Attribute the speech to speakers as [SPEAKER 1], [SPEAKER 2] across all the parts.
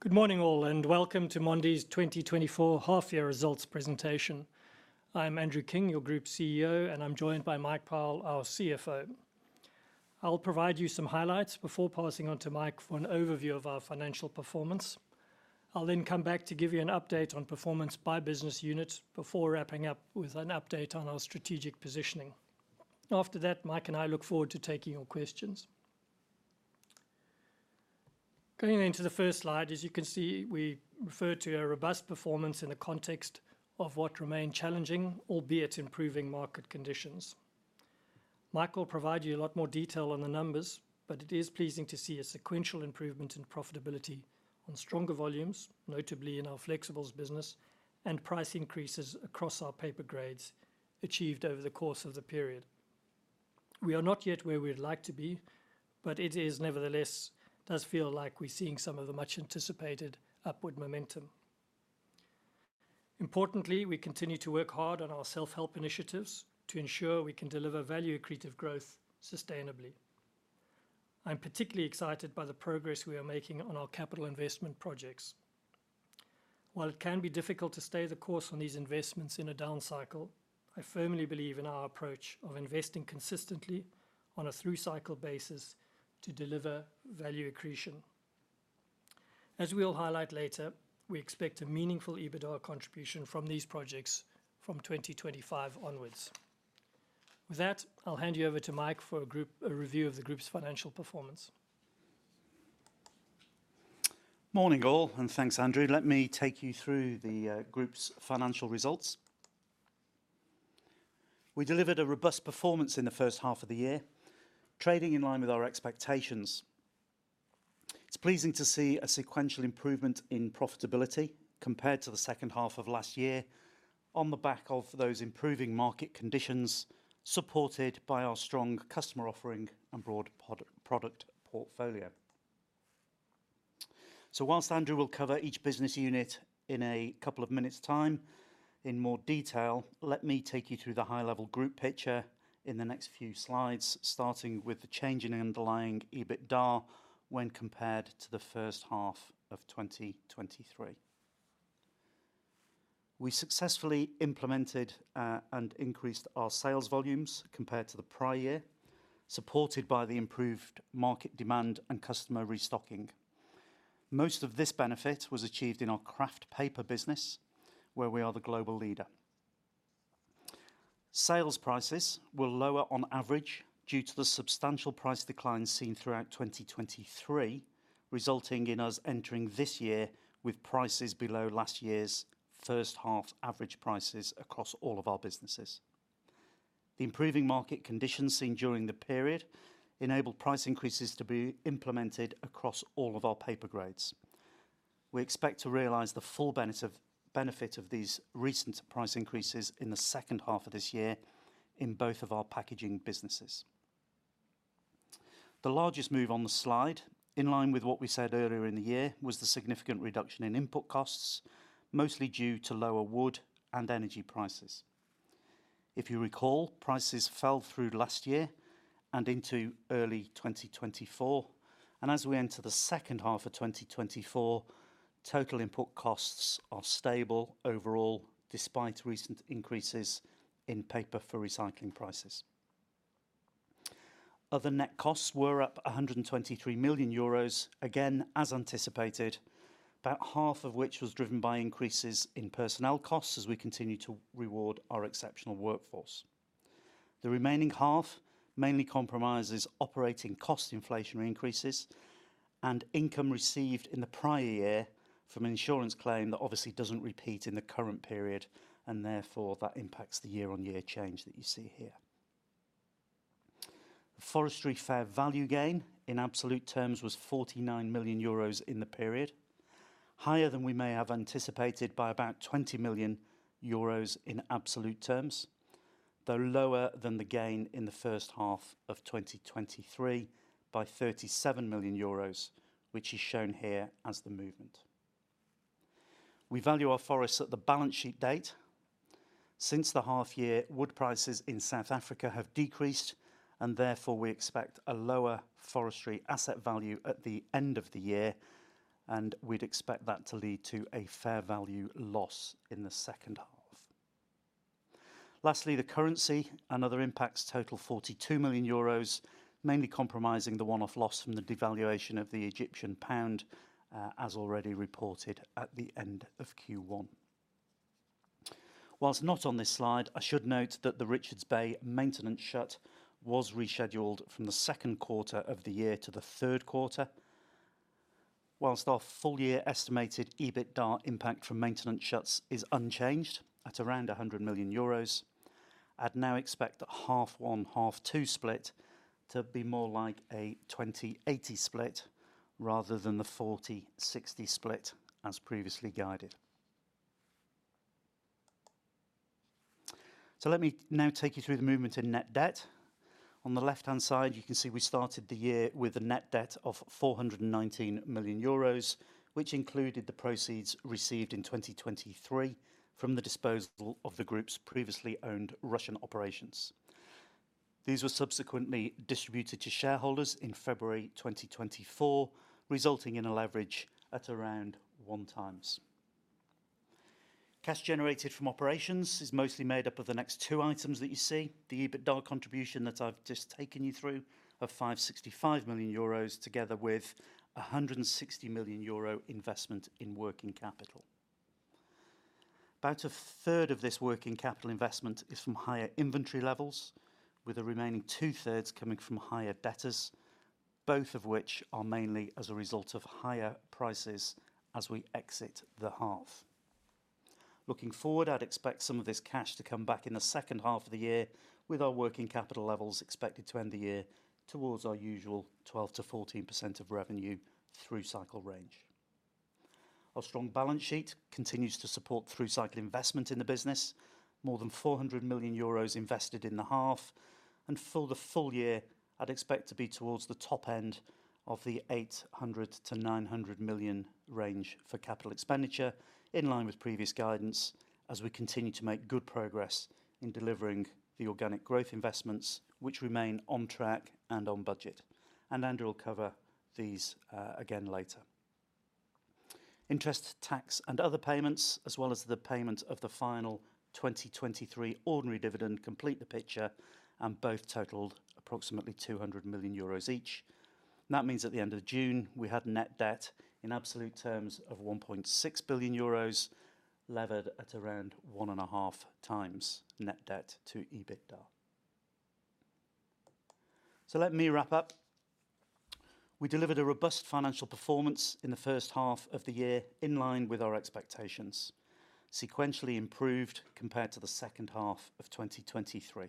[SPEAKER 1] Good morning, all and welcome to Mondi's 2024 Half-Year Results Presentation. I'm Andrew King, your Group CEO, and I'm joined by Mike Powell, our CFO. I'll provide you some highlights before passing on to Mike for an overview of our financial performance. I'll then come back to give you an update on performance by business unit before wrapping up with an update on our strategic positioning. After that, Mike and I look forward to taking your questions. Going into the first slide, as you can see, we refer to a robust performance in the context of what remained challenging, albeit improving market conditions. Mike will provide you a lot more detail on the numbers, but it is pleasing to see a sequential improvement in profitability on stronger volumes, notably in our flexibles business, and price increases across our paper grades, achieved over the course of the period. We are not yet where we'd like to be, but it is, nevertheless, does feel like we're seeing some of the much-anticipated upward momentum. Importantly, we continue to work hard on our self-help initiatives to ensure we can deliver value-accretive growth sustainably. I'm particularly excited by the progress we are making on our capital investment projects. While it can be difficult to stay the course on these investments in a down cycle, I firmly believe in our approach of investing consistently on a through-cycle basis to deliver value accretion. As we'll highlight later, we expect a meaningful EBITDA contribution from these projects from 2025 onwards. With that, I'll hand you over to Mike for a review of the Group's financial performance.
[SPEAKER 2] Morning, all, and thanks, Andrew. Let me take you through the Group's financial results. We delivered a robust performance in the first half of the year, trading in line with our expectations. It's pleasing to see a sequential improvement in profitability compared to the second half of last year on the back of those improving market conditions supported by our strong customer offering and broad product portfolio. So while Andrew will cover each business unit in a couple of minutes' time in more detail, let me take you through the high-level group picture in the next few slides, starting with the change in underlying EBITDA when compared to the first half of 2023. We successfully implemented and increased our sales volumes compared to the prior year, supported by the improved market demand and customer restocking. Most of this benefit was achieved in our kraft paper business, where we are the global leader. Sales prices were lower on average due to the substantial price declines seen throughout 2023, resulting in us entering this year with prices below last year's first-half average prices across all of our businesses. The improving market conditions seen during the period enabled price increases to be implemented across all of our paper grades. We expect to realize the full benefit of these recent price increases in the second half of this year in both of our packaging businesses. The largest move on the slide, in line with what we said earlier in the year, was the significant reduction in input costs, mostly due to lower wood and energy prices. If you recall, prices fell through last year and into early 2024, and as we enter the second half of 2024, total input costs are stable overall despite recent increases in paper for recycling prices. Other net costs were up 123 million euros, again as anticipated, about half of which was driven by increases in personnel costs as we continue to reward our exceptional workforce. The remaining half mainly comprises operating cost inflationary increases and income received in the prior year from an insurance claim that obviously doesn't repeat in the current period, and therefore that impacts the year-on-year change that you see here. Forestry fair value gain in absolute terms was 49 million euros in the period, higher than we may have anticipated by about 20 million euros in absolute terms, though lower than the gain in the first half of 2023 by 37 million euros, which is shown here as the movement. We value our forests at the balance sheet date. Since the half-year, wood prices in South Africa have decreased, and therefore we expect a lower forestry asset value at the end of the year, and we'd expect that to lead to a fair value loss in the second half. Lastly, the currency and other impacts total 42 million euros, mainly comprising the one-off loss from the devaluation of the Egyptian pound, as already reported at the end of Q1. Whilst not on this slide, I should note that the Richards Bay maintenance shutdown was rescheduled from the second quarter of the year to the third quarter. Whilst our full-year estimated EBITDA impact from maintenance shutdowns is unchanged at around 100 million euros, I'd now expect the half-one-half-two split to be more like a 20-80 split rather than the 40-60 split, as previously guided. So let me now take you through the movement in net debt. On the left-hand side, you can see we started the year with a net debt of 419 million euros, which included the proceeds received in 2023 from the disposal of the Group's previously owned Russian operations. These were subsequently distributed to shareholders in February 2024, resulting in a leverage at around one times. Cash generated from operations is mostly made up of the next two items that you see. The EBITDA contribution that I've just taken you through of 565 million euros, together with a 160 million euro investment in working capital. About a third of this working capital investment is from higher inventory levels, with the remaining two-thirds coming from higher debtors, both of which are mainly as a result of higher prices as we exit the half. Looking forward, I'd expect some of this cash to come back in the second half of the year, with our working capital levels expected to end the year towards our usual 12%-14% of revenue through-cycle range. Our strong balance sheet continues to support through-cycle investment in the business, more than 400 million euros invested in the half, and for the full year, I'd expect to be towards the top end of the 800 million-900 million range for capital expenditure, in line with previous guidance, as we continue to make good progress in delivering the organic growth investments, which remain on track and on budget. Andrew will cover these again later. Interest, tax, and other payments, as well as the payment of the final 2023 ordinary dividend, complete the picture, and both totaled approximately 200 million euros each. That means at the end of June, we had net debt in absolute terms of 1.6 billion euros, levered at around 1.5 times net debt to EBITDA. So let me wrap up. We delivered a robust financial performance in the first half of the year, in line with our expectations, sequentially improved compared to the second half of 2023.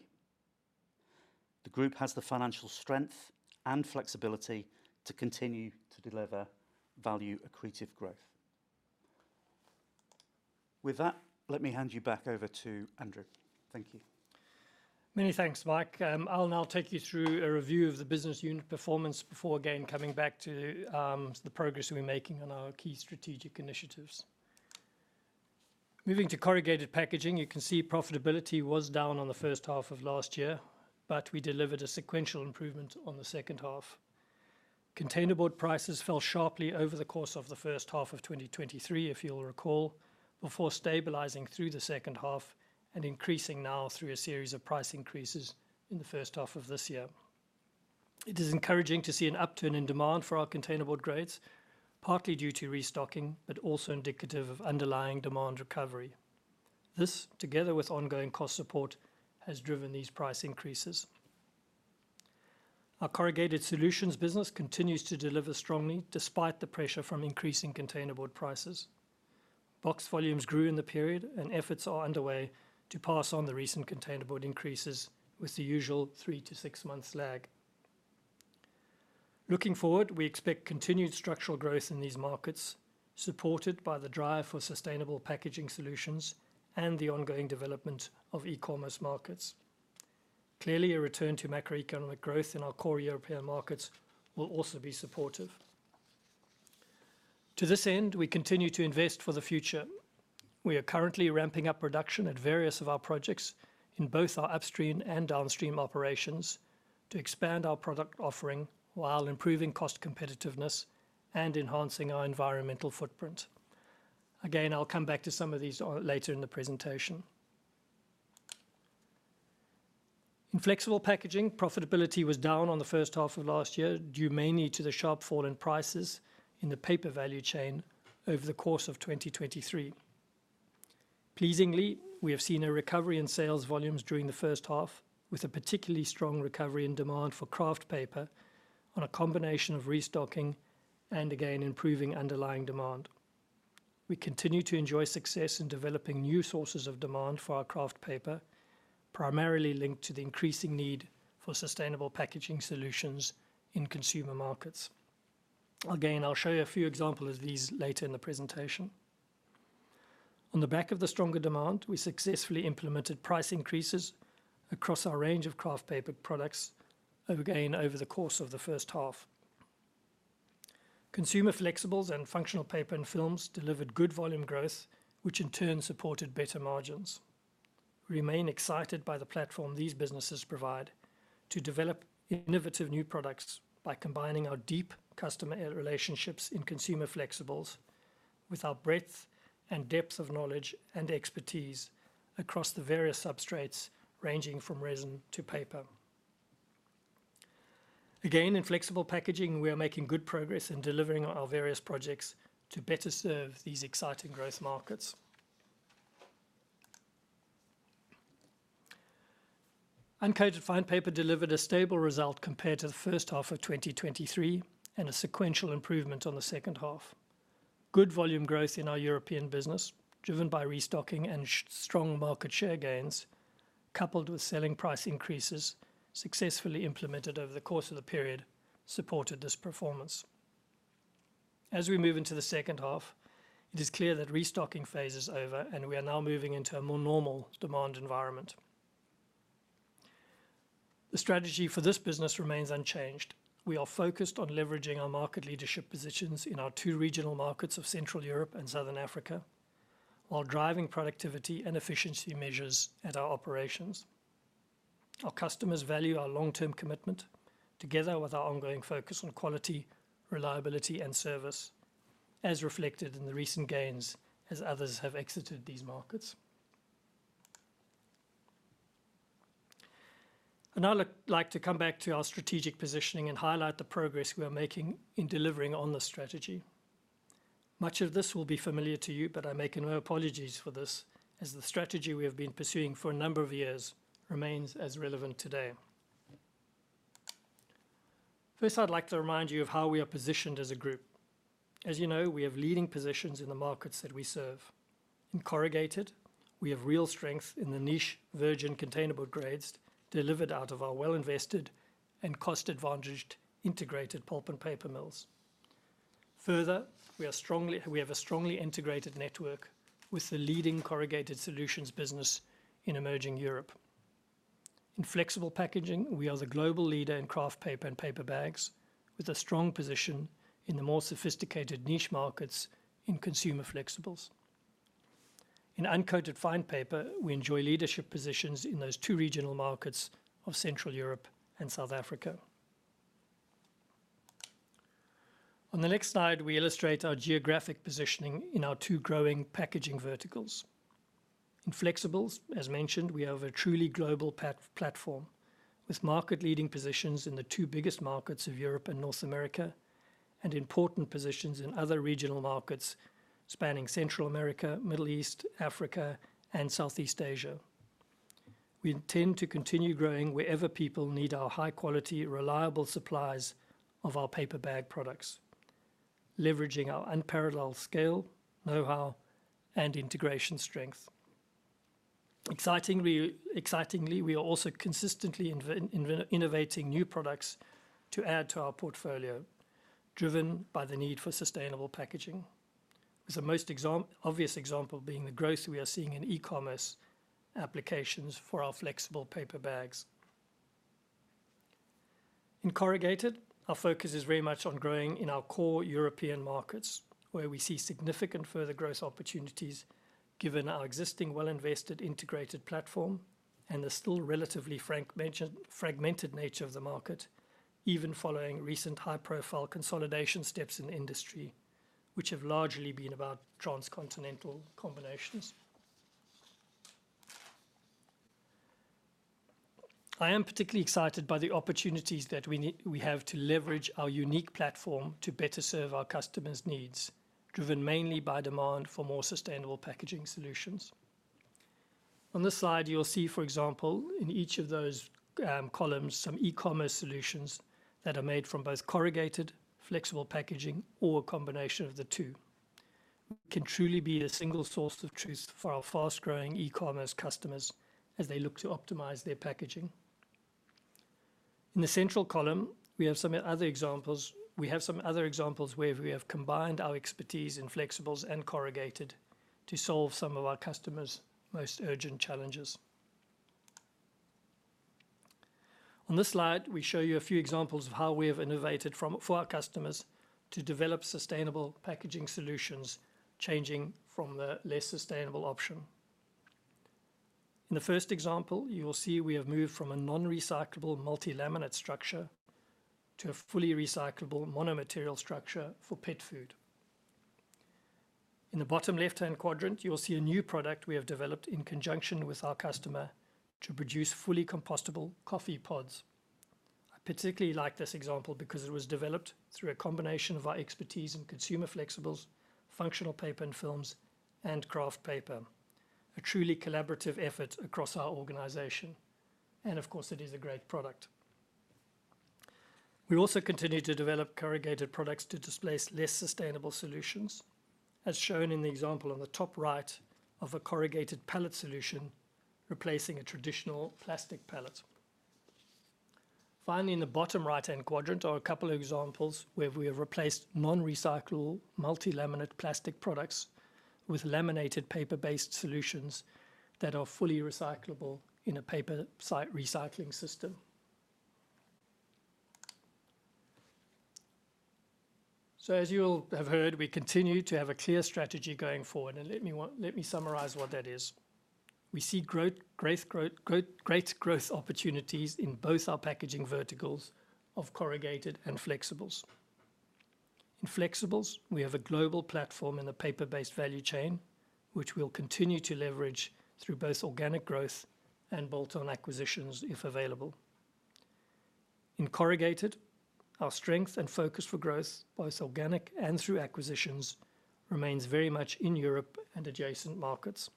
[SPEAKER 2] The Group has the financial strength and flexibility to continue to deliver value-accretive growth. With that, let me hand you back over to Andrew. Thank you.
[SPEAKER 1] Many thanks, Mike. I'll now take you through a review of the business unit performance before again coming back to the progress we're making on our key strategic initiatives. Moving to Corrugated Packaging, you can see profitability was down on the first half of last year, but we delivered a sequential improvement on the second half. Container board prices fell sharply over the course of the first half of 2023, if you'll recall, before stabilizing through the second half and increasing now through a series of price increases in the first half of this year. It is encouraging to see an upturn in demand for our containerboard grades, partly due to restocking, but also indicative of underlying demand recovery. This, together with ongoing cost support, has driven these price increases. Our Corrugated Solutions business continues to deliver strongly despite the pressure from increasing containerboard prices. Box volumes grew in the period, and efforts are underway to pass on the recent containerboard increases with the usual three to six-month lag. Looking forward, we expect continued structural growth in these markets, supported by the drive for sustainable packaging solutions and the ongoing development of e-commerce markets. Clearly, a return to macroeconomic growth in our core European markets will also be supportive. To this end, we continue to invest for the future. We are currently ramping up production at various of our projects in both our upstream and downstream operations to expand our product offering while improving cost competitiveness and enhancing our environmental footprint. Again, I'll come back to some of these later in the presentation. In Flexible Packaging, profitability was down on the first half of last year due mainly to the sharp fall in prices in the paper value chain over the course of 2023. Pleasingly, we have seen a recovery in sales volumes during the first half, with a particularly strong recovery in demand for kraft paper on a combination of restocking and again improving underlying demand. We continue to enjoy success in developing new sources of demand for our kraft paper, primarily linked to the increasing need for sustainable packaging solutions in consumer markets. Again, I'll show you a few examples of these later in the presentation. On the back of the stronger demand, we successfully implemented price increases across our range of kraft paper products again over the course of the first half. Consumer flexibles and Functional Paper and Films delivered good volume growth, which in turn supported better margins. We remain excited by the platform these businesses provide to develop innovative new products by combining our deep customer relationships in Consumer Flexibles with our breadth and depth of knowledge and expertise across the various substrates ranging from resin to paper. Again, in flexible packaging, we are making good progress in delivering our various projects to better serve these exciting growth markets. Uncoated Fine Paper delivered a stable result compared to the first half of 2023 and a sequential improvement on the second half. Good volume growth in our European business, driven by restocking and strong market share gains, coupled with selling price increases successfully implemented over the course of the period, supported this performance. As we move into the second half, it is clear that restocking phase is over, and we are now moving into a more normal demand environment. The strategy for this business remains unchanged. We are focused on leveraging our market leadership positions in our two regional markets of Central Europe and Southern Africa, while driving productivity and efficiency measures at our operations. Our customers value our long-term commitment, together with our ongoing focus on quality, reliability, and service, as reflected in the recent gains as others have exited these markets. I'd like to come back to our strategic positioning and highlight the progress we are making in delivering on the strategy. Much of this will be familiar to you, but I make no apologies for this, as the strategy we have been pursuing for a number of years remains as relevant today. First, I'd like to remind you of how we are positioned as a Group. As you know, we have leading positions in the markets that we serve. In corrugated, we have real strength in the niche, virgin containerboard grades delivered out of our well-invested and cost-advantaged integrated pulp and paper mills. Further, we have a strongly integrated network with the leading corrugated solutions business in emerging Europe. In flexible packaging, we are the global leader in kraft paper and paper bags, with a strong position in the more sophisticated niche markets in consumer flexibles. In uncoated fine paper, we enjoy leadership positions in those two regional markets of Central Europe and South Africa. On the next slide, we illustrate our geographic positioning in our two growing packaging verticals. In flexibles, as mentioned, we have a truly global platform with market-leading positions in the two biggest markets of Europe and North America, and important positions in other regional markets spanning Central America, Middle East, Africa, and Southeast Asia. We intend to continue growing wherever people need our high-quality, reliable supplies of our paper bag products, leveraging our unparalleled scale, know-how, and integration strength. Excitingly, we are also consistently innovating new products to add to our portfolio, driven by the need for sustainable packaging, with the most obvious example being the growth we are seeing in e-commerce applications for our flexible paper bags. In corrugated, our focus is very much on growing in our core European markets, where we see significant further growth opportunities given our existing well-invested integrated platform and the still relatively fragmented nature of the market, even following recent high-profile consolidation steps in industry, which have largely been about transcontinental combinations. I am particularly excited by the opportunities that we have to leverage our unique platform to better serve our customers' needs, driven mainly by demand for more sustainable packaging solutions. On this slide, you'll see, for example, in each of those columns, some e-commerce solutions that are made from both corrugated, flexible packaging, or a combination of the two. It can truly be the single source of truth for our fast-growing e-commerce customers as they look to optimize their packaging. In the central column, we have some other examples. We have some other examples where we have combined our expertise in flexibles and corrugated to solve some of our customers' most urgent challenges. On this slide, we show you a few examples of how we have innovated for our customers to develop sustainable packaging solutions, changing from the less sustainable option. In the first example, you will see we have moved from a non-recyclable multi-laminate structure to a fully recyclable monomaterial structure for pet food. In the bottom left-hand quadrant, you will see a new product we have developed in conjunction with our customer to produce fully compostable coffee pods. I particularly like this example because it was developed through a combination of our expertise in consumer flexibles, functional paper and films, and kraft paper, a truly collaborative effort across our organization. And of course, it is a great product. We also continue to develop corrugated products to displace less sustainable solutions, as shown in the example on the top right of a corrugated pellet solution replacing a traditional plastic pellet. Finally, in the bottom right-hand quadrant are a couple of examples where we have replaced non-recyclable multi-laminate plastic products with laminated paper-based solutions that are fully recyclable in a paper stream recycling system. So as you'll have heard, we continue to have a clear strategy going forward. And let me summarize what that is. We see great growth opportunities in both our packaging verticals of corrugated and flexibles. In flexibles, we have a global platform in the paper-based value chain, which we'll continue to leverage through both organic growth and bolt-on acquisitions if available. In corrugated, our strength and focus for growth, both organic and through acquisitions, remains very much in Europe and adjacent markets.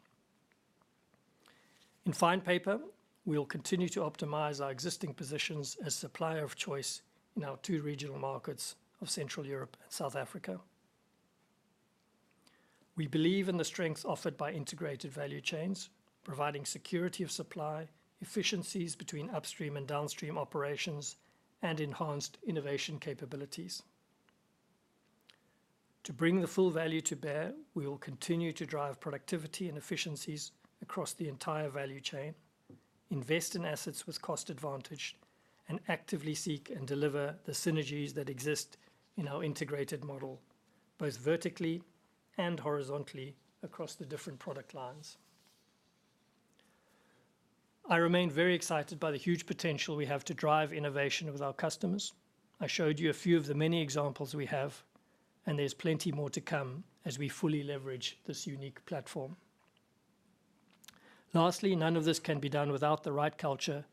[SPEAKER 1] In fine paper, we'll continue to optimize our existing positions as a supplier of choice in our two regional markets of Central Europe and South Africa. We believe in the strength offered by integrated value chains, providing security of supply, efficiencies between upstream and downstream operations, and enhanced innovation capabilities. To bring the full value to bear, we will continue to drive productivity and efficiencies across the entire value chain, invest in assets with cost advantage, and actively seek and deliver the synergies that exist in our integrated model, both vertically and horizontally across the different product lines. I remain very excited by the huge potential we have to drive innovation with our customers. I showed you a few of the many examples we have, and there's plenty more to come as we fully leverage this unique platform. Lastly, none of this can be done without the right culture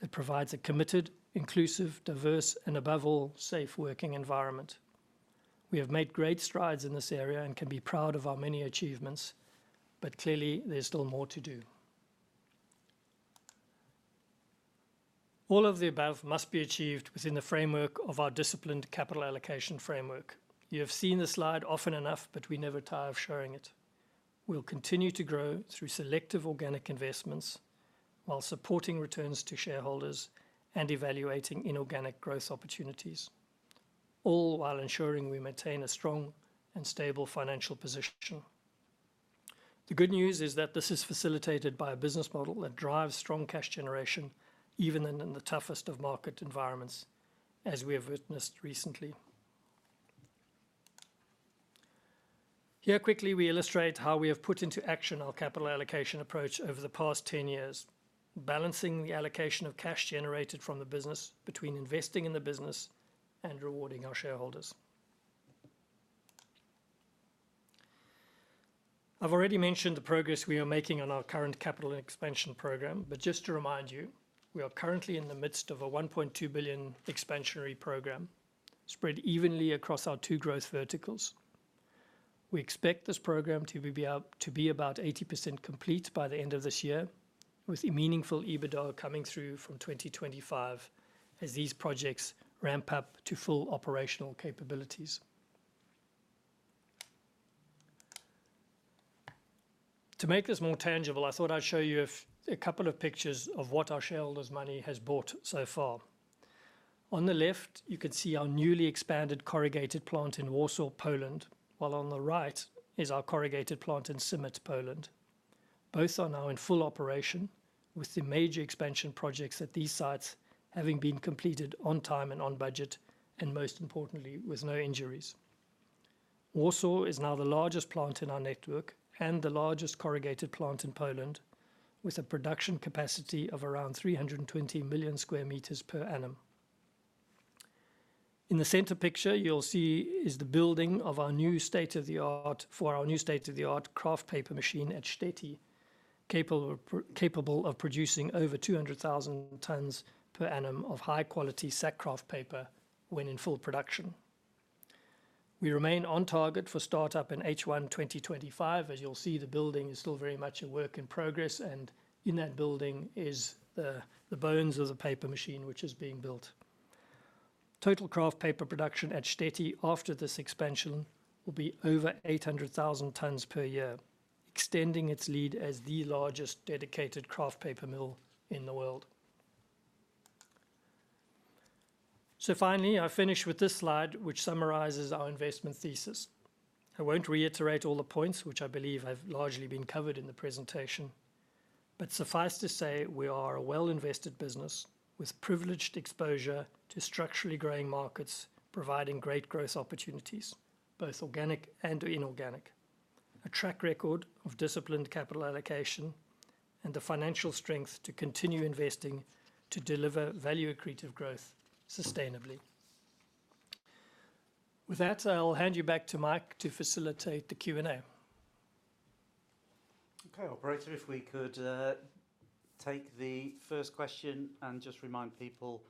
[SPEAKER 1] that provides a committed, inclusive, diverse, and above all, safe working environment. We have made great strides in this area and can be proud of our many achievements, but clearly, there's still more to do. All of the above must be achieved within the framework of our disciplined capital allocation framework. You have seen the slide often enough, but we never tire of showing it. We'll continue to grow through selective organic investments while supporting returns to shareholders and evaluating inorganic growth opportunities, all while ensuring we maintain a strong and stable financial position. The good news is that this is facilitated by a business model that drives strong cash generation even in the toughest of market environments, as we have witnessed recently. Here quickly, we illustrate how we have put into action our capital allocation approach over the past 10 years, balancing the allocation of cash generated from the business between investing in the business and rewarding our shareholders. I've already mentioned the progress we are making on our current capital expansion program, but just to remind you, we are currently in the midst of a 1.2 billion expansionary program spread evenly across our two growth verticals. We expect this program to be about 80% complete by the end of this year, with a meaningful EBITDA coming through from 2025 as these projects ramp up to full operational capabilities. To make this more tangible, I thought I'd show you a couple of pictures of what our shareholders' money has bought so far. On the left, you can see our newly expanded corrugated plant in Warsaw, Poland, while on the right is our corrugated plant in Simet, Poland. Both are now in full operation, with the major expansion projects at these sites having been completed on time and on budget, and most importantly, with no injuries. Warsaw is now the largest plant in our network and the largest corrugated plant in Poland, with a production capacity of around 320 million square meters per annum. In the center picture you'll see is the building of our new state-of-the-art for our new state-of-the-art kraft paper machine at Štětí, capable of producing over 200,000 tons per annum of high-quality sack kraft paper when in full production. We remain on target for startup in H1 2025, as you'll see the building is still very much a work in progress, and in that building is the bones of the paper machine which is being built. Total kraft paper production at Štětí after this expansion will be over 800,000 tons per year, extending its lead as the largest dedicated kraft paper mill in the world. So finally, I finish with this slide, which summarizes our investment thesis. I won't reiterate all the points, which I believe have largely been covered in the presentation, but suffice to say we are a well-invested business with privileged exposure to structurally growing markets providing great growth opportunities, both organic and inorganic, a track record of disciplined capital allocation, and the financial strength to continue investing to deliver value-accretive growth sustainably. With that, I'll hand you back to Mike to facilitate the Q&A.
[SPEAKER 2] Okay, operator, if we could take the first question and just remind people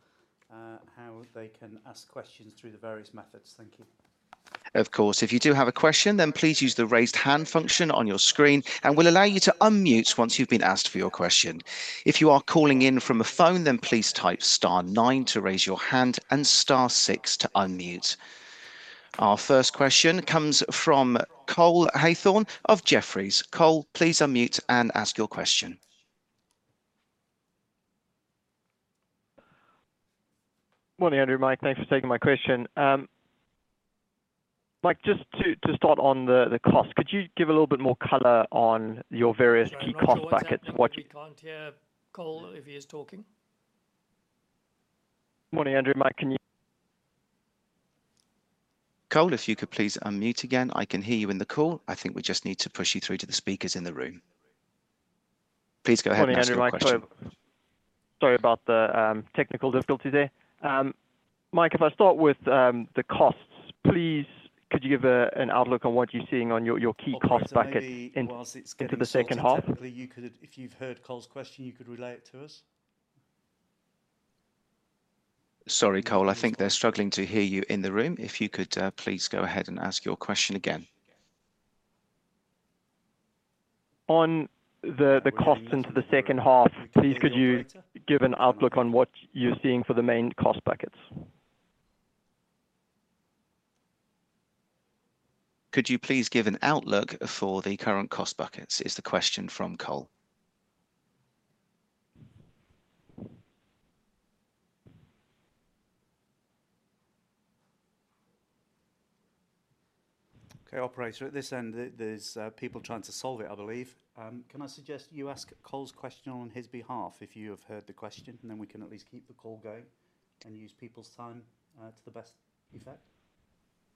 [SPEAKER 2] how they can ask questions through the various methods. Thank you.
[SPEAKER 3] Of course, if you do have a question, then please use the raised hand function on your screen, and we'll allow you to unmute once you've been asked for your question. If you are calling in from a phone, then please type star nine to raise your hand and star six to unmute. Our first question comes from Cole Hathorn of Jefferies. Cole, please unmute and ask your question.
[SPEAKER 4] Good morning, Andrew, Mike. Thanks for taking my question. Mike, just to start on the cost, could you give a little bit more color on your various key cost
[SPEAKER 2] Cole, if he is talking.
[SPEAKER 4] Good morning, Andrew, Mike. Can you?
[SPEAKER 3] Cole, if you could please unmute again. I can hear you in the call. I think we just need to push you through to the speakers in the room. Please go ahead and ask your question.
[SPEAKER 4] Sorry about the technical difficulties there. Mike, if I start with the costs, please could you give an outlook on what you're seeing on your key cost bracket into the second half?
[SPEAKER 2] If you've heard Cole's question, you could relay it to us.
[SPEAKER 3] Sorry, Cole, I think they're struggling to hear you in the room. If you could please go ahead and ask your question again.
[SPEAKER 4] On the costs into the second half, please could you give an outlook on what you're seeing for the main cost brackets?
[SPEAKER 3] Could you please give an outlook for the current cost buckets? Is the question from Cole.
[SPEAKER 2] Okay, operator, at this end, there's people trying to solve it, I believe. Can I suggest you ask Cole's question on his behalf if you have heard the question, and then we can at least keep the call going and use people's time to the best effect?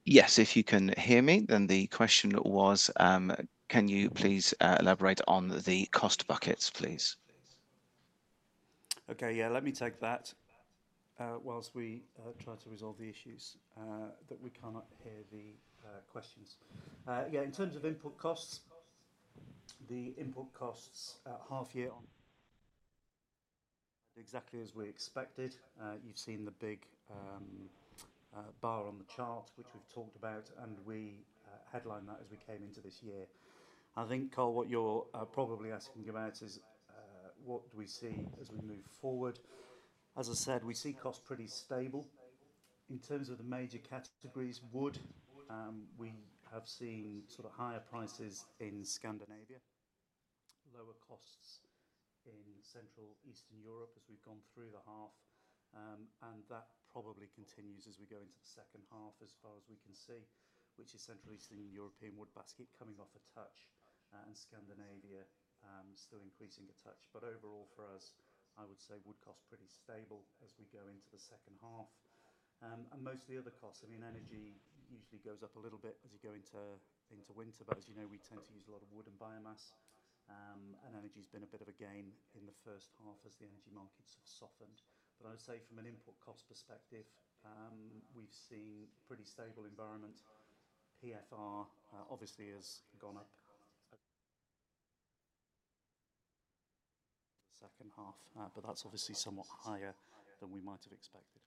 [SPEAKER 3] Yes, if you can hear me, then the question was, can you please elaborate on the cost buckets, please?
[SPEAKER 2] Okay, yeah, let me take that while we try to resolve the issues that we cannot hear the questions. Yeah, in terms of input costs, the input costs half year on exactly as we expected. You've seen the big bar on the chart, which we've talked about, and we headlined that as we came into this year. I think, Cole, what you're probably asking about is what do we see as we move forward. As I said, we see costs pretty stable. In terms of the major categories, wood, we have seen sort of higher prices in Scandinavia, lower costs in Central and Eastern Europe as we've gone through the half, and that probably continues as we go into the second half as far as we can see, which is Central and Eastern European wood basket coming off a touch and Scandinavia still increasing a touch. But overall, for us, I would say wood costs pretty stable as we go into the second half. Most of the other costs, I mean, energy usually goes up a little bit as you go into winter, but as you know, we tend to use a lot of wood and biomass, and energy has been a bit of a gain in the first half as the energy markets have softened. But I would say from an input cost perspective, we've seen a pretty stable environment. PFR obviously has gone up in the second half, but that's obviously somewhat higher than we might have expected.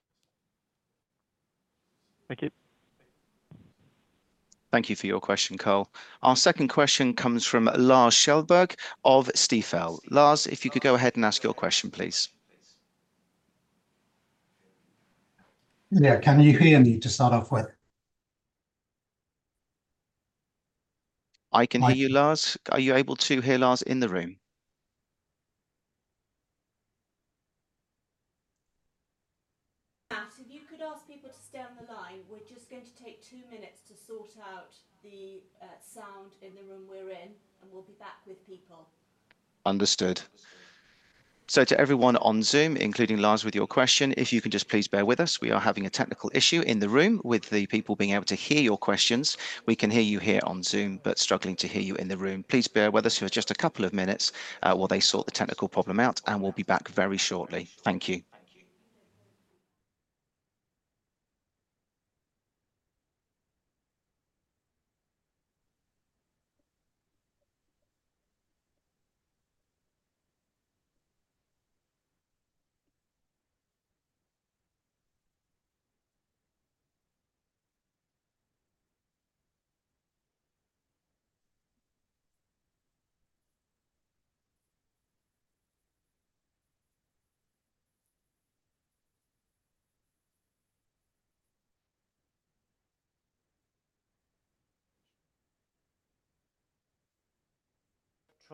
[SPEAKER 4] Thank you.
[SPEAKER 3] Thank you for your question, Cole. Our second question comes from Lars Kjellberg of Stifel. Lars, if you could go ahead and ask your question, please.
[SPEAKER 5] Yeah, can you hear me to start off with?
[SPEAKER 3] I can hear you, Lars. Are you able to hear Lars in the room? if you could ask people to stay on the line. We're just going to take two minutes to sort out the sound in the room we're in, and we'll be back with people. Understood. So to everyone on Zoom, including Lars with your question, if you can just please bear with us. We are having a technical issue in the room with the people being able to hear your questions. We can hear you here on Zoom, but struggling to hear you in the room. Please bear with us for just a couple of minutes while they sort the technical problem out, and we'll be back very shortly. Thank you.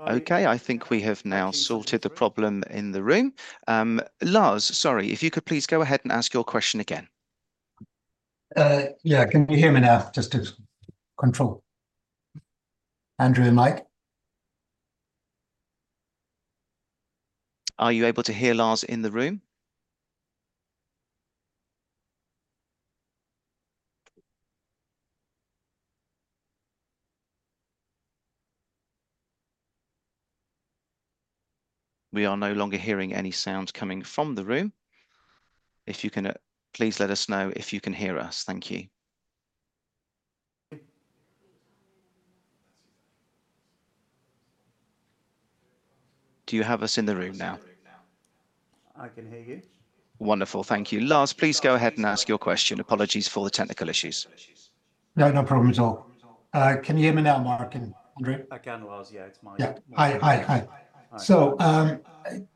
[SPEAKER 3] Okay, I think we have now sorted the problem in the room. Lars, sorry, if you could please go ahead and ask your question again.
[SPEAKER 5] Yeah, can you hear me now? Just to control Andrew and Mike.
[SPEAKER 3] Are you able to hear Lars in the room? We are no longer hearing any sounds coming from the room. If you can please let us know if you can hear us? Thank you. Do you have us in the room now?
[SPEAKER 5] I can hear you.
[SPEAKER 3] Wonderful. Thank you. Lars, please go ahead and ask your question. Apologies for the technical issues.
[SPEAKER 5] No, no problem at all. Can you hear me now, Mark and Andrew?
[SPEAKER 2] I can, Lars. Yeah, it's Mike.
[SPEAKER 5] Yeah. Hi, hi. So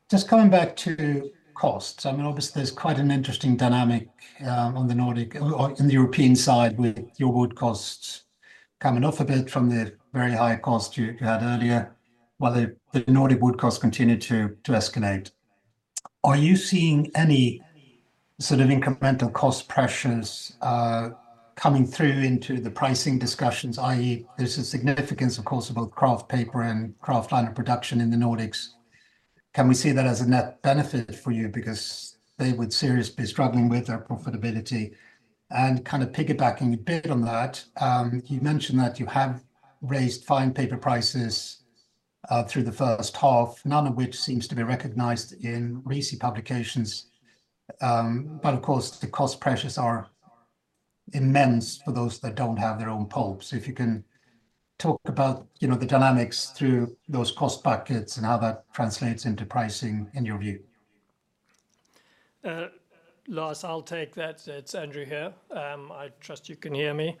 [SPEAKER 5] just coming back to costs, I mean, obviously, there's quite an interesting dynamic on the Nordic or in the European side with your wood costs coming off a bit from the very high cost you had earlier while the Nordic wood costs continue to escalate. Are you seeing any sort of incremental cost pressures coming through into the pricing discussions, i.e., there's a significance, of course, of both kraft paper and kraft liner production in the Nordics? Can we see that as a net benefit for you because they would seriously be struggling with their profitability? And kind of piggybacking a bit on that, you mentioned that you have raised fine paper prices through the first half, none of which seems to be recognized in recent publications. But of course, the cost pressures are immense for those that don't have their own pulp. If you can talk about the dynamics through those cost buckets and how that translates into pricing in your view.
[SPEAKER 1] Lars, I'll take that. It's Andrew here. I trust you can hear me.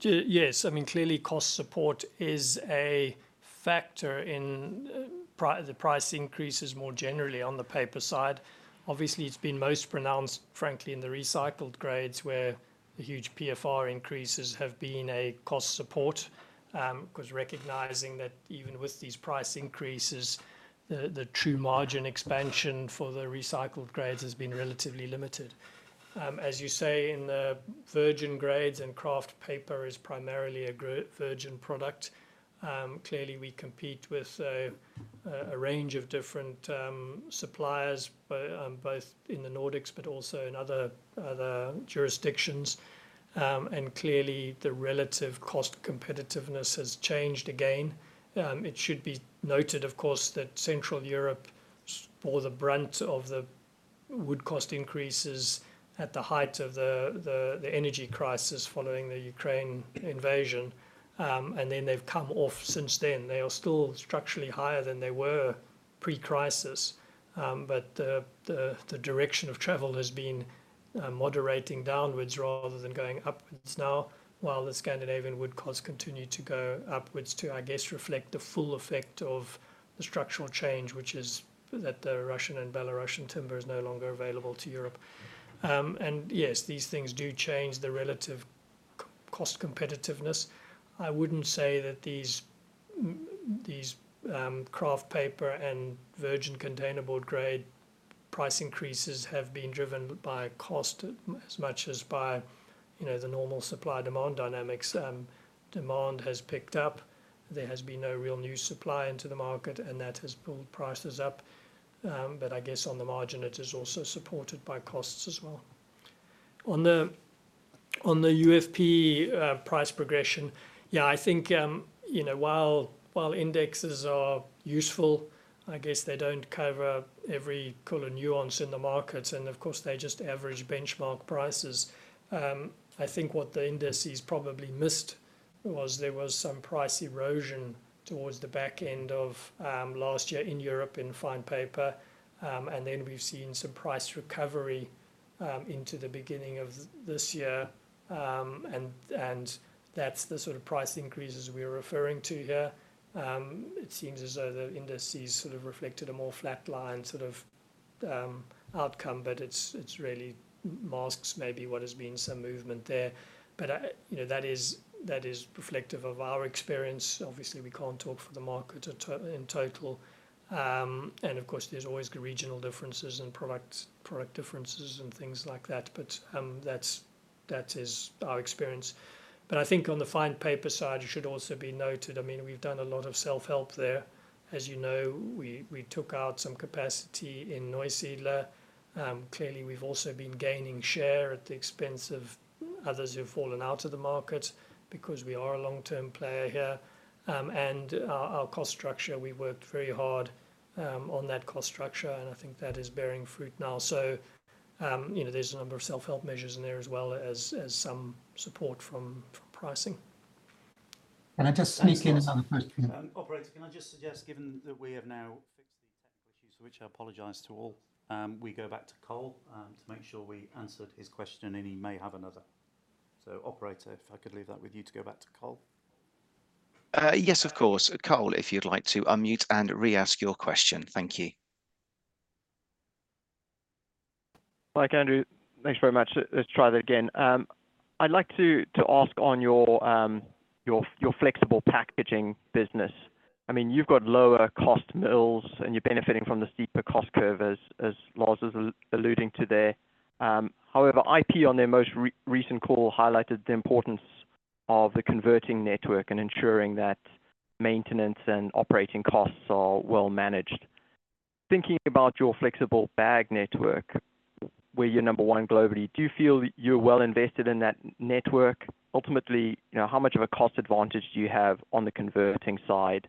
[SPEAKER 1] Yes, I mean, clearly, cost support is a factor in the price increases more generally on the paper side. Obviously, it's been most pronounced, frankly, in the recycled grades where the huge PFR increases have been a cost support because recognizing that even with these price increases, the true margin expansion for the recycled grades has been relatively limited. As you say, in the virgin grades, and kraft paper is primarily a virgin product. Clearly, we compete with a range of different suppliers, both in the Nordics but also in other jurisdictions. And clearly, the relative cost competitiveness has changed again. It should be noted, of course, that Central Europe bore the brunt of the wood cost increases at the height of the energy crisis following the Ukraine invasion. And then they've come off since then. They are still structurally higher than they were pre-crisis. But the direction of travel has been moderating downwards rather than going upwards now, while the Scandinavian wood costs continue to go upwards too, I guess, to reflect the full effect of the structural change, which is that the Russian and Belarusian timber is no longer available to Europe. And yes, these things do change the relative cost competitiveness. I wouldn't say that these kraft paper and virgin containerboard grade price increases have been driven by cost as much as by the normal supply-demand dynamics. Demand has picked up. There has been no real new supply into the market, and that has pulled prices up. But I guess on the margin, it is also supported by costs as well. On the UFP price progression, yeah, I think while indexes are useful, I guess they don't cover every color nuance in the markets. And of course, they just average benchmark prices. I think what the indices probably missed was there was some price erosion towards the back end of last year in Europe in fine paper. And then we've seen some price recovery into the beginning of this year. And that's the sort of price increases we're referring to here. It seems as though the indices sort of reflected a more flat line sort of outcome, but it really masks maybe what has been some movement there. But that is reflective of our experience. Obviously, we can't talk for the market in total. And of course, there's always regional differences and product differences and things like that. But that is our experience. But I think on the fine paper side, it should also be noted, I mean, we've done a lot of self-help there. As you know, we took out some capacity in Neusiedler. Clearly, we've also been gaining share at the expense of others who have fallen out of the market because we are a long-term player here. And our cost structure, we worked very hard on that cost structure, and I think that is bearing fruit now. So there's a number of self-help measures in there as well as some support from pricing.
[SPEAKER 5] Can I just sneak in
[SPEAKER 2] Operator, can I just suggest, given that we have now fixed the technical issues, for which I apologize to all, we go back to Cole to make sure we answered his question, and he may have another. So operator, if I could leave that with you to go back to Cole.
[SPEAKER 3] Yes, of course. Cole, if you'd like to unmute and re-ask your question. Thank you.
[SPEAKER 4] Mike, Andrew, thanks very much. Let's try that again. I'd like to ask on your flexible packaging business. I mean, you've got lower cost mills, and you're benefiting from the steeper cost curve, as Lars was alluding to there. However, IP on their most recent call highlighted the importance of the converting network and ensuring that maintenance and operating costs are well managed. Thinking about your flexible bag network, where you're number one globally, do you feel you're well invested in that network? Ultimately, how much of a cost advantage do you have on the converting side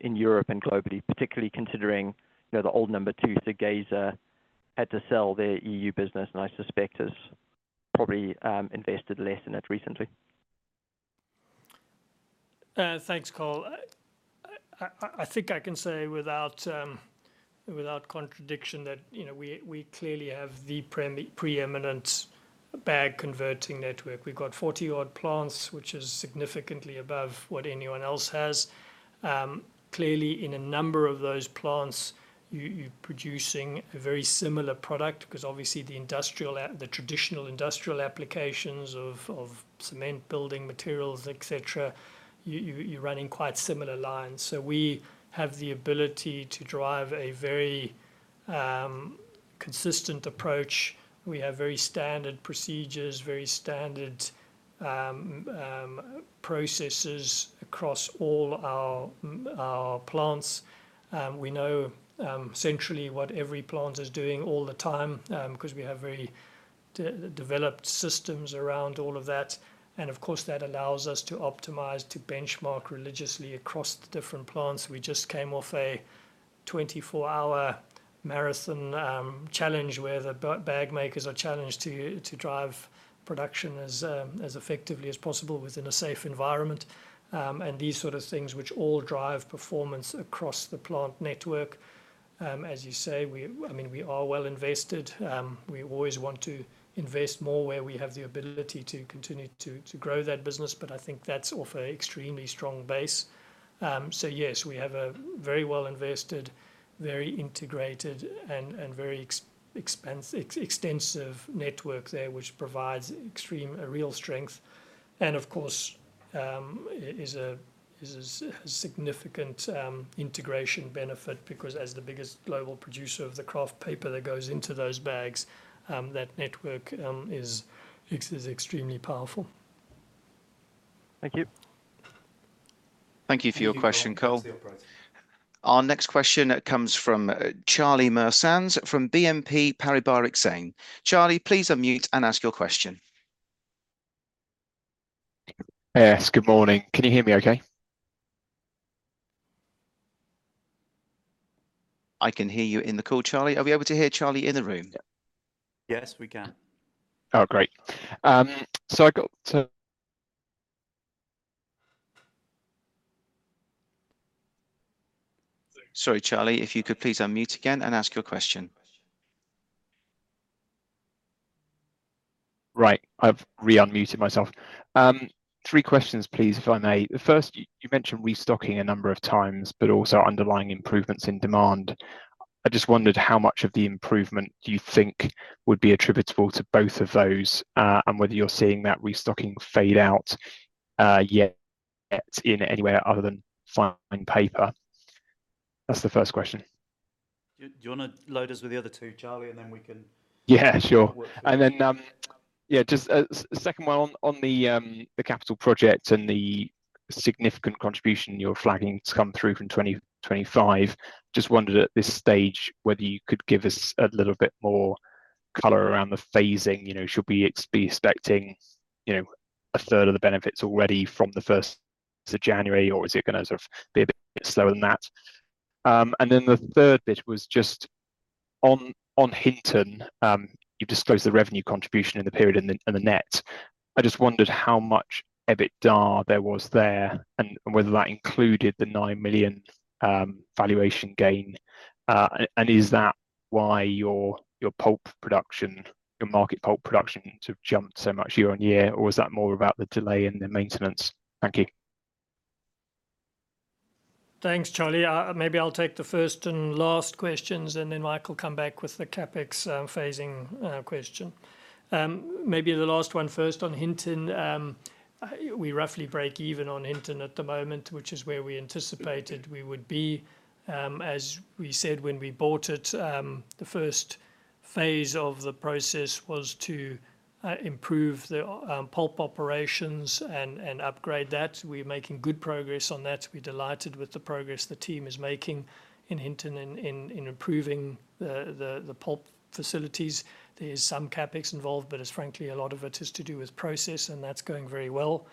[SPEAKER 4] in Europe and globally, particularly considering the old number two, Segezha, had to sell their EU business and I suspect has probably invested less in it recently?
[SPEAKER 1] Thanks, Cole. I think I can say without contradiction that we clearly have the preeminent bag converting network. We've got 40-odd plants, which is significantly above what anyone else has. Clearly, in a number of those plants, you're producing a very similar product because obviously the traditional industrial applications of cement, building materials, etc., you're running quite similar lines. So we have the ability to drive a very consistent approach. We have very standard procedures, very standard processes across all our plants. We know centrally what every plant is doing all the time because we have very developed systems around all of that. And of course, that allows us to optimize to benchmark religiously across the different plants. We just came off a 24-hour marathon challenge where the bag makers are challenged to drive production as effectively as possible within a safe environment. These sort of things, which all drive performance across the plant network. As you say, I mean, we are well invested. We always want to invest more where we have the ability to continue to grow that business, but I think that's off an extremely strong base. So yes, we have a very well invested, very integrated, and very extensive network there, which provides extreme real strength. And of course, it is a significant integration benefit because as the biggest global producer of the kraft paper that goes into those bags, that network is extremely powerful.
[SPEAKER 4] Thank you.
[SPEAKER 3] Thank you for your question, Cole. Our next question comes from Charlie Muir-Sands from BNP Paribas Exane. Charlie, please unmute and ask your question.
[SPEAKER 6] Yes, good morning. Can you hear me okay?
[SPEAKER 3] I can hear you in the call, Charlie. Are we able to hear Charlie in the room?
[SPEAKER 1] Yes, we can.
[SPEAKER 6] Oh, great. So I
[SPEAKER 3] Sorry Charlie, if you could please unmute again and ask your question.
[SPEAKER 6] Right, I've re-unmuted myself. Three questions, please, if I may. The first, you mentioned restocking a number of times, but also underlying improvements in demand. I just wondered how much of the improvement do you think would be attributable to both of those and whether you're seeing that restocking fade out yet in anywhere other than fine paper? That's the first question.
[SPEAKER 1] Do you want to load us with the other two, Charlie, and then we can?
[SPEAKER 6] Yeah, sure. And then, yeah, just a second one on the capital project and the significant contribution you're flagging to come through from 2025. Just wondered at this stage whether you could give us a little bit more color around the phasing. Should we be expecting a third of the benefits already from the 1st of January, or is it going to sort of be a bit slower than that? And then the third bit was just on Hinton, you've disclosed the revenue contribution in the period and the net. I just wondered how much EBITDA there was there and whether that included the 9 million valuation gain. And is that why your market pulp production sort of jumped so much year-over-year, or was that more about the delay in the maintenance? Thank you.
[SPEAKER 1] Thanks, Charlie. Maybe I'll take the first and last questions, and then Mike will come back with the CapEx phasing question. Maybe the last one first on Hinton. We roughly break even on Hinton at the moment, which is where we anticipated we would be. As we said when we bought it, the first phase of the process was to improve the pulp operations and upgrade that. We're making good progress on that. We're delighted with the progress the team is making in Hinton in improving the pulp facilities. There is some CapEx involved, but, frankly, a lot of it has to do with process, and that's going very well.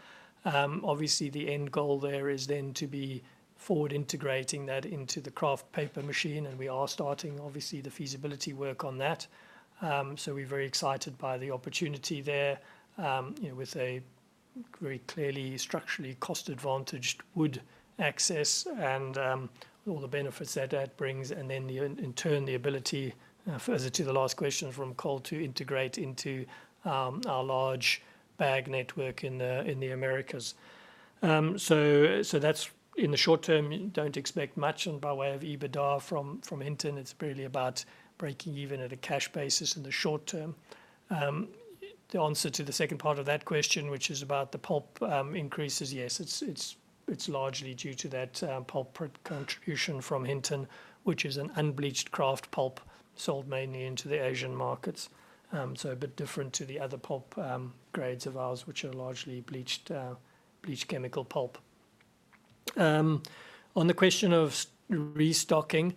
[SPEAKER 1] Obviously, the end goal there is then to forward integrate that into the kraft paper machine, and we are starting, obviously, the feasibility work on that. So we're very excited by the opportunity there with a very clearly structurally cost-advantaged wood access and all the benefits that that brings, and then in turn, the ability further to the last question from Cole to integrate into our large bag network in the Americas. So that's in the short term. Don't expect much by way of EBITDA from Hinton. It's really about breaking even at a cash basis in the short term. The answer to the second part of that question, which is about the pulp increases, yes, it's largely due to that pulp contribution from Hinton, which is an unbleached kraft pulp sold mainly into the Asian markets. So a bit different to the other pulp grades of ours, which are largely bleached chemical pulp. On the question of restocking,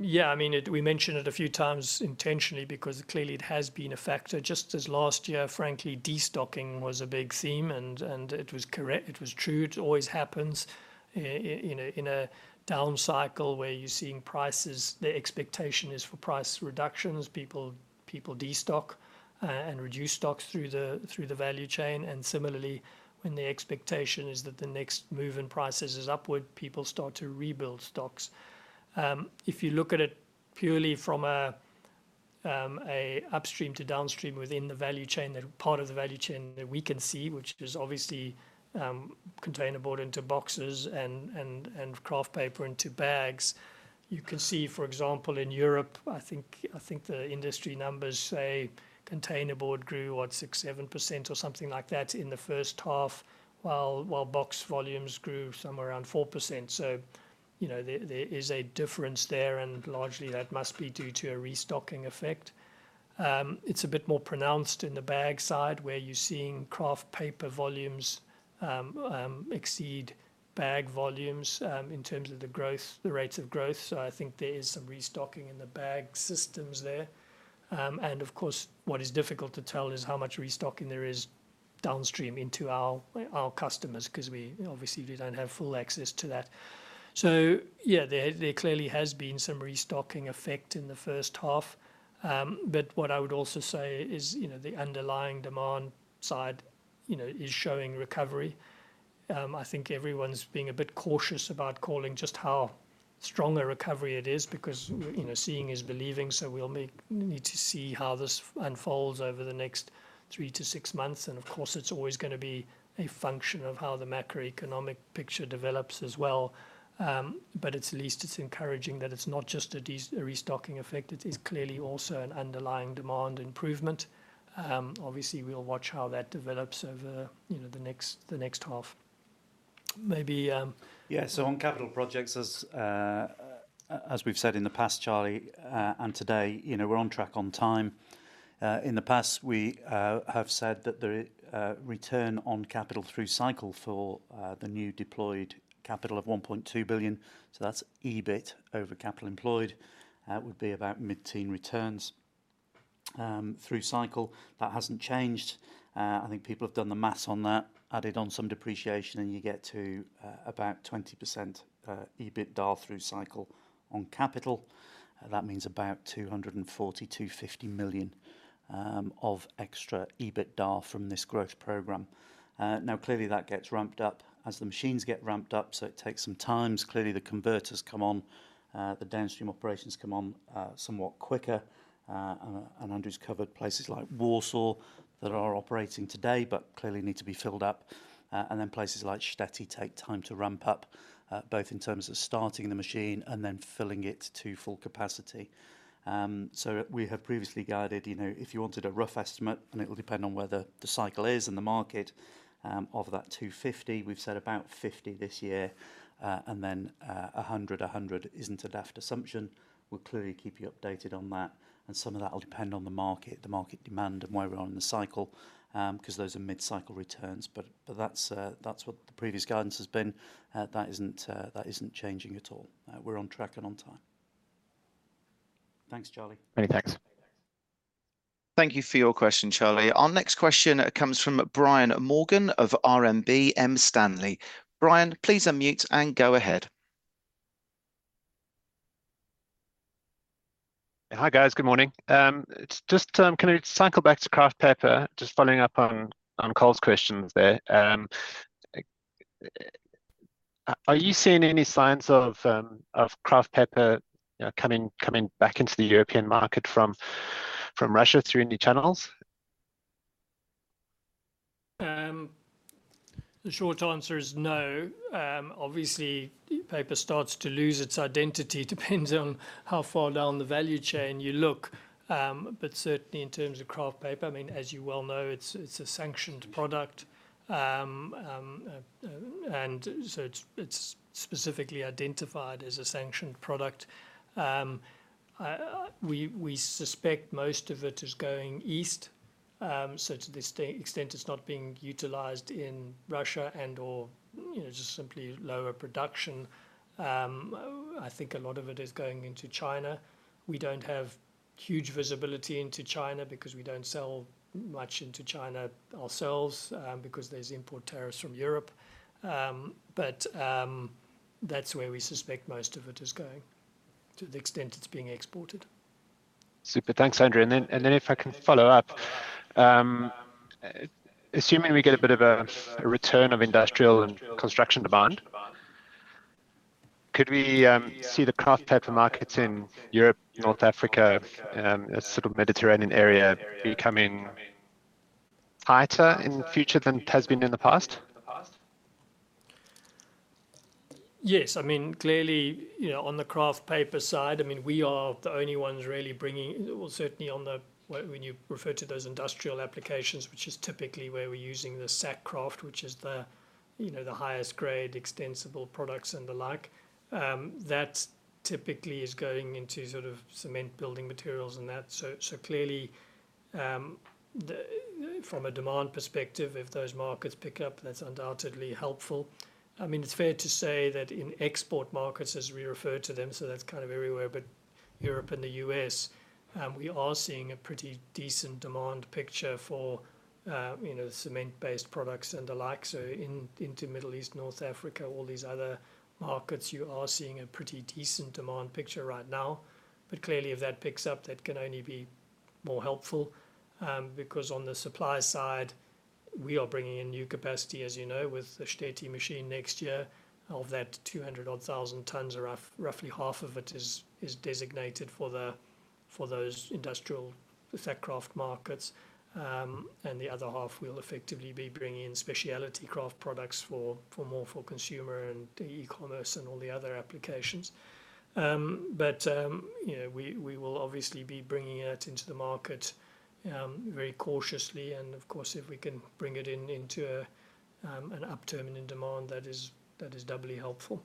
[SPEAKER 1] yeah, I mean, we mentioned it a few times intentionally because clearly it has been a factor, just as last year, frankly, destocking was a big theme, and it was true. It always happens in a down cycle where you're seeing prices. The expectation is for price reductions. People destock and reduce stocks through the value chain. And similarly, when the expectation is that the next move in prices is upward, people start to rebuild stocks. If you look at it purely from an upstream to downstream within the value chain, part of the value chain that we can see, which is obviously containerboard into boxes and kraft paper into bags, you can see, for example, in Europe, I think the industry numbers say containerboard grew, what, 6%-7% or something like that in the first half, while box volumes grew somewhere around 4%. So there is a difference there, and largely that must be due to a restocking effect. It's a bit more pronounced in the bag side where you're seeing kraft paper volumes exceed bag volumes in terms of the rates of growth. So I think there is some restocking in the bag systems there. And of course, what is difficult to tell is how much restocking there is downstream into our customers because we obviously don't have full access to that. So yeah, there clearly has been some restocking effect in the first half. But what I would also say is the underlying demand side is showing recovery. I think everyone's being a bit cautious about calling just how strong a recovery it is because seeing is believing. So we'll need to see how this unfolds over the next three to six months. And of course, it's always going to be a function of how the macroeconomic picture develops as well. But at least it's encouraging that it's not just a restocking effect. It is clearly also an underlying demand improvement. Obviously, we'll watch how that develops over the next half. Maybe.
[SPEAKER 2] Yeah, so on capital projects, as we've said in the past, Charlie, and today, we're on track on time. In the past, we have said that the return on capital through cycle for the new deployed capital of 1.2 billion, so that's EBIT over capital employed, would be about mid-teen returns through cycle. That hasn't changed. I think people have done the math on that. Added on some depreciation, and you get to about 20% EBITDA through cycle on capital. That means about 240 million-250 million of extra EBITDA from this growth program. Now, clearly, that gets ramped up as the machines get ramped up, so it takes some time. Clearly, the converters come on. The downstream operations come on somewhat quicker. And Andrew's covered places like Warsaw that are operating today but clearly need to be filled up. And then places like Štětí take time to ramp up, both in terms of starting the machine and then filling it to full capacity. So we have previously guided if you wanted a rough estimate, and it will depend on where the cycle is and the market, of that 250, we've said about 50 this year, and then 100, 100 isn't a daft assumption. We'll clearly keep you updated on that. And some of that will depend on the market, the market demand, and where we are in the cycle because those are mid-cycle returns. But that's what the previous guidance has been. That isn't changing at all. We're on track and on time.
[SPEAKER 1] Thanks, Charlie.
[SPEAKER 6] Many thanks.
[SPEAKER 3] Thank you for your question, Charlie. Our next question comes from Brian Morgan of RMB Morgan Stanley. Brian, please unmute and go ahead.
[SPEAKER 7] Hi guys, good morning. Just can I cycle back to kraft paper? Just following up on Cole's questions there. Are you seeing any signs of kraft paper coming back into the European market from Russia through any channels?
[SPEAKER 1] The short answer is no. Obviously, paper starts to lose its identity, depends on how far down the value chain you look. But certainly in terms of kraft paper, I mean, as you well know, it's a sanctioned product. And so it's specifically identified as a sanctioned product. We suspect most of it is going east. So to this extent, it's not being utilized in Russia and/or just simply lower production. I think a lot of it is going into China. We don't have huge visibility into China because we don't sell much into China ourselves because there's import tariffs from Europe. But that's where we suspect most of it is going to the extent it's being exported.
[SPEAKER 7] Super. Thanks, Andrew. And then if I can follow up, assuming we get a bit of a return of industrial and construction demand, could we see the kraft paper markets in Europe, North Africa, a sort of Mediterranean area becoming tighter in the future than it has been in the past?
[SPEAKER 1] Yes. I mean, clearly, on the kraft paper side, I mean, we are the only ones really bringing, well, certainly on the when you refer to those industrial applications, which is typically where we're using the sack kraft, which is the highest grade extensible products and the like. That typically is going into sort of cement building materials and that. So clearly, from a demand perspective, if those markets pick up, that's undoubtedly helpful. I mean, it's fair to say that in export markets, as we refer to them, so that's kind of everywhere but Europe and the U.S., we are seeing a pretty decent demand picture for cement-based products and the like. So into Middle East, North Africa, all these other markets, you are seeing a pretty decent demand picture right now. But clearly, if that picks up, that can only be more helpful because on the supply side, we are bringing in new capacity, as you know, with the Štětí machine next year. Of that 200,000 tons, roughly half of it is designated for those industrial sack kraft markets. And the other half will effectively be bringing in specialty kraft products for more for consumer and e-commerce and all the other applications. But we will obviously be bringing that into the market very cautiously. And of course, if we can bring it into an upturn in demand, that is doubly helpful.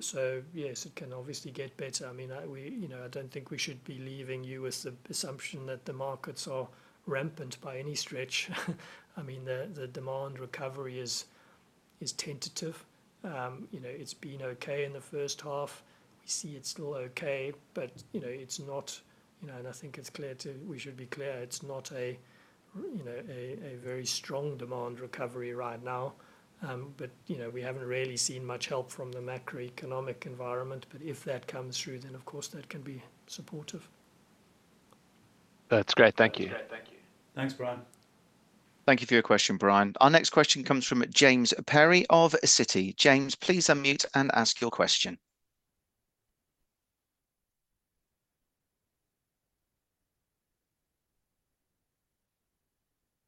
[SPEAKER 1] So yes, it can obviously get better. I mean, I don't think we should be leaving you with the assumption that the markets are rampant by any stretch. I mean, the demand recovery is tentative. It's been okay in the first half. We see it's still okay, but it's not, and I think it's clear, too. We should be clear, it's not a very strong demand recovery right now. But we haven't really seen much help from the macroeconomic environment. But if that comes through, then of course that can be supportive.
[SPEAKER 7] That's great. Thank you.
[SPEAKER 1] Thanks, Brian.
[SPEAKER 3] Thank you for your question, Brian. Our next question comes from James Perry of Citi. James, please unmute and ask your question.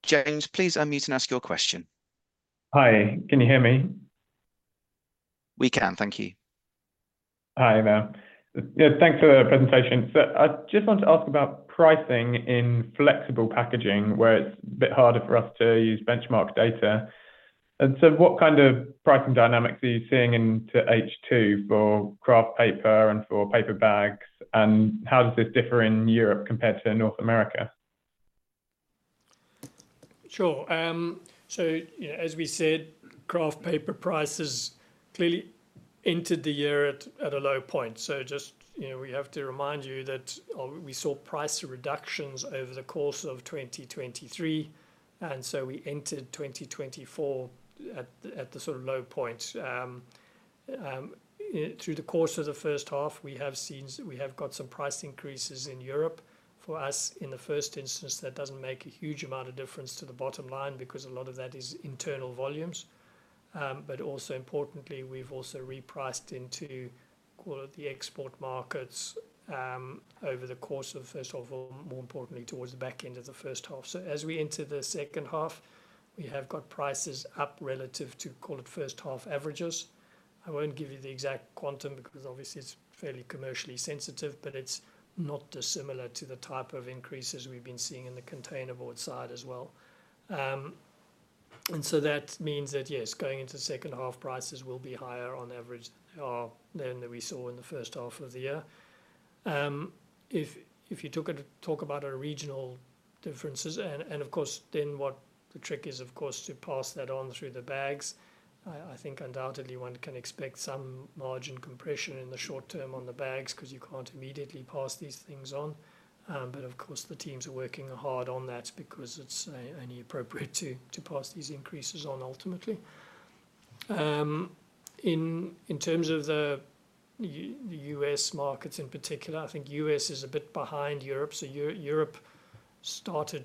[SPEAKER 3] James, please unmute and ask your question.
[SPEAKER 8] Hi. Can you hear me?
[SPEAKER 3] We can. Thank you.
[SPEAKER 8] Hi, there. Yeah, thanks for the presentation. So I just want to ask about pricing in flexible packaging, where it's a bit harder for us to use benchmark data. And so what kind of pricing dynamics are you seeing into H2 for kraft paper and for paper bags? And how does this differ in Europe compared to North America?
[SPEAKER 1] Sure. So as we said, Kraft paper prices clearly entered the year at a low point. So just we have to remind you that we saw price reductions over the course of 2023. And so we entered 2024 at the sort of low point. Through the course of the first half, we have got some price increases in Europe. For us, in the first instance, that doesn't make a huge amount of difference to the bottom line because a lot of that is internal volumes. But also importantly, we've also repriced into the export markets over the course of, first of all, more importantly, towards the back end of the first half. So as we enter the second half, we have got prices up relative to, call it, first half averages. I won't give you the exact quantum because obviously it's fairly commercially sensitive, but it's not dissimilar to the type of increases we've been seeing in the containerboard side as well. And so that means that, yes, going into the second half, prices will be higher on average than we saw in the first half of the year. If you talk about regional differences, and of course, then what the trick is, of course, to pass that on through the bags. I think undoubtedly one can expect some margin compression in the short term on the bags because you can't immediately pass these things on. But of course, the teams are working hard on that because it's only appropriate to pass these increases on ultimately. In terms of the U.S. markets in particular, I think U.S. is a bit behind Europe. So Europe started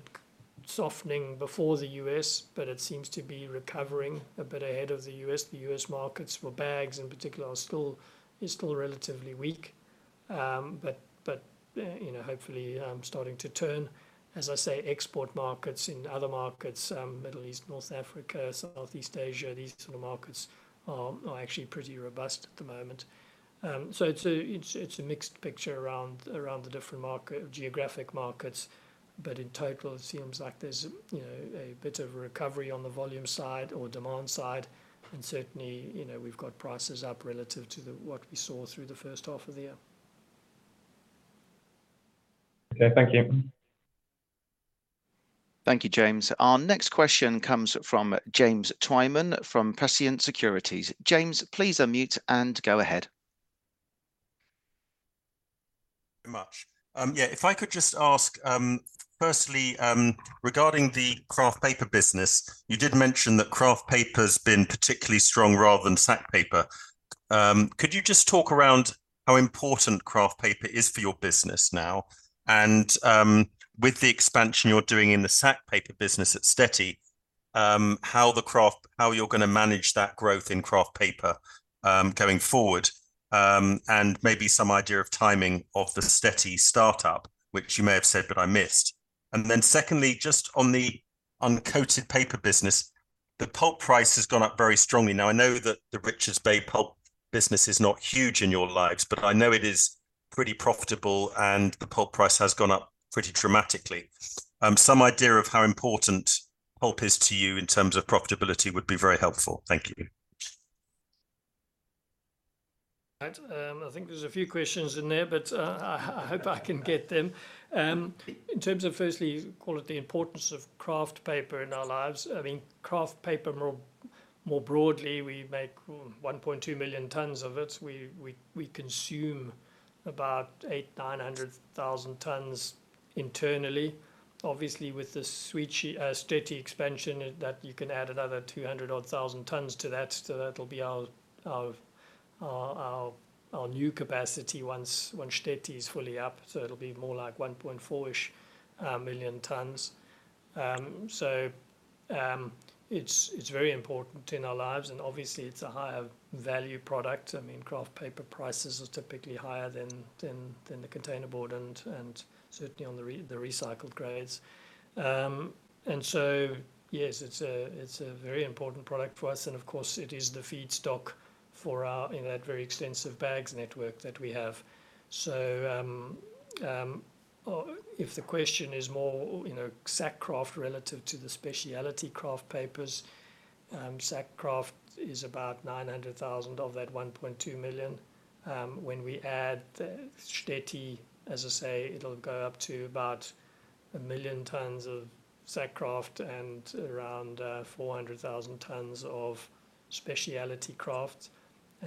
[SPEAKER 1] softening before the US, but it seems to be recovering a bit ahead of the US. The US markets for bags in particular are still relatively weak, but hopefully starting to turn. As I say, export markets in other markets, Middle East, North Africa, Southeast Asia, these sort of markets are actually pretty robust at the moment. So it's a mixed picture around the different geographic markets. But in total, it seems like there's a bit of recovery on the volume side or demand side. Certainly, we've got prices up relative to what we saw through the first half of the year.
[SPEAKER 8] Okay. Thank you.
[SPEAKER 3] Thank you, James. Our next question comes from James Twyman from Prescient Securities. James, please unmute and go ahead.
[SPEAKER 9] Yeah, if I could just ask, firstly, regarding the kraft paper business, you did mention that kraft paper has been particularly strong rather than sack paper. Could you just talk around how important kraft paper is for your business now? And with the expansion you're doing in the sack paper business at Štětí, how you're going to manage that growth in kraft paper going forward? And maybe some idea of timing of the Štětí startup, which you may have said, but I missed. And then secondly, just on the uncoated paper business, the pulp price has gone up very strongly. Now, I know that the Richards Bay pulp business is not huge in your lives, but I know it is pretty profitable, and the pulp price has gone up pretty dramatically. Some idea of how important pulp is to you in terms of profitability would be very helpful. Thank you.
[SPEAKER 1] I think there's a few questions in there, but I hope I can get them. In terms of, firstly, call it the importance of kraft paper in our lives. I mean, kraft paper more broadly, we make 1.2 million tons of it. We consume about 8,000-9,000 tons internally. Obviously, with the Štětí expansion, you can add another 200,000 tons to that. So that'll be our new capacity once Štětí is fully up. So it'll be more like 1.4 million tons. So it's very important in our lives. And obviously, it's a higher value product. I mean, kraft paper prices are typically higher than the containerboard and certainly on the recycled grades. And so, yes, it's a very important product for us. And of course, it is the feedstock for that very extensive bags network that we have. So if the question is more sack kraft relative to the specialty kraft papers, sack kraft is about 900,000 of that 1,200,000. When we add Štětí, as I say, it'll go up to about 1,000,000 tons of sack kraft and around 400,000 tons of specialty kraft. And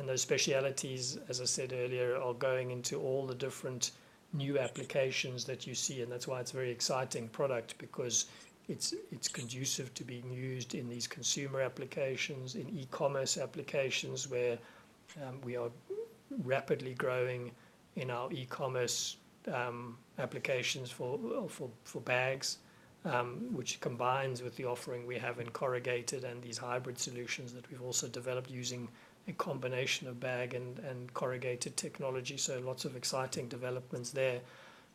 [SPEAKER 1] those specialties, as I said earlier, are going into all the different new applications that you see. And that's why it's a very exciting product because it's conducive to being used in these consumer applications, in e-commerce applications where we are rapidly growing in our e-commerce applications for bags, which combines with the offering we have in corrugated and these hybrid solutions that we've also developed using a combination of bag and corrugated technology. So lots of exciting developments there.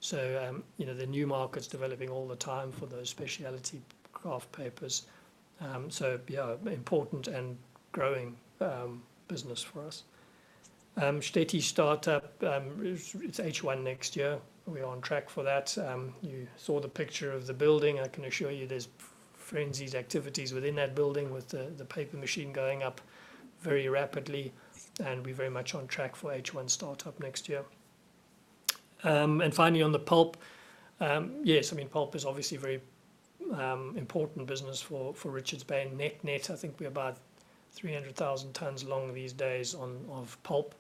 [SPEAKER 1] So the new market's developing all the time for those specialty kraft papers. So yeah, important and growing business for us. Štětí startup, it's H1 next year. We're on track for that. You saw the picture of the building. I can assure you there's frenzied activities within that building with the paper machine going up very rapidly. We're very much on track for H1 startup next year. Finally, on the pulp, yes, I mean, pulp is obviously a very important business for Richards Bay. Net net, I think we're about 300,000 tons long these days of pulp.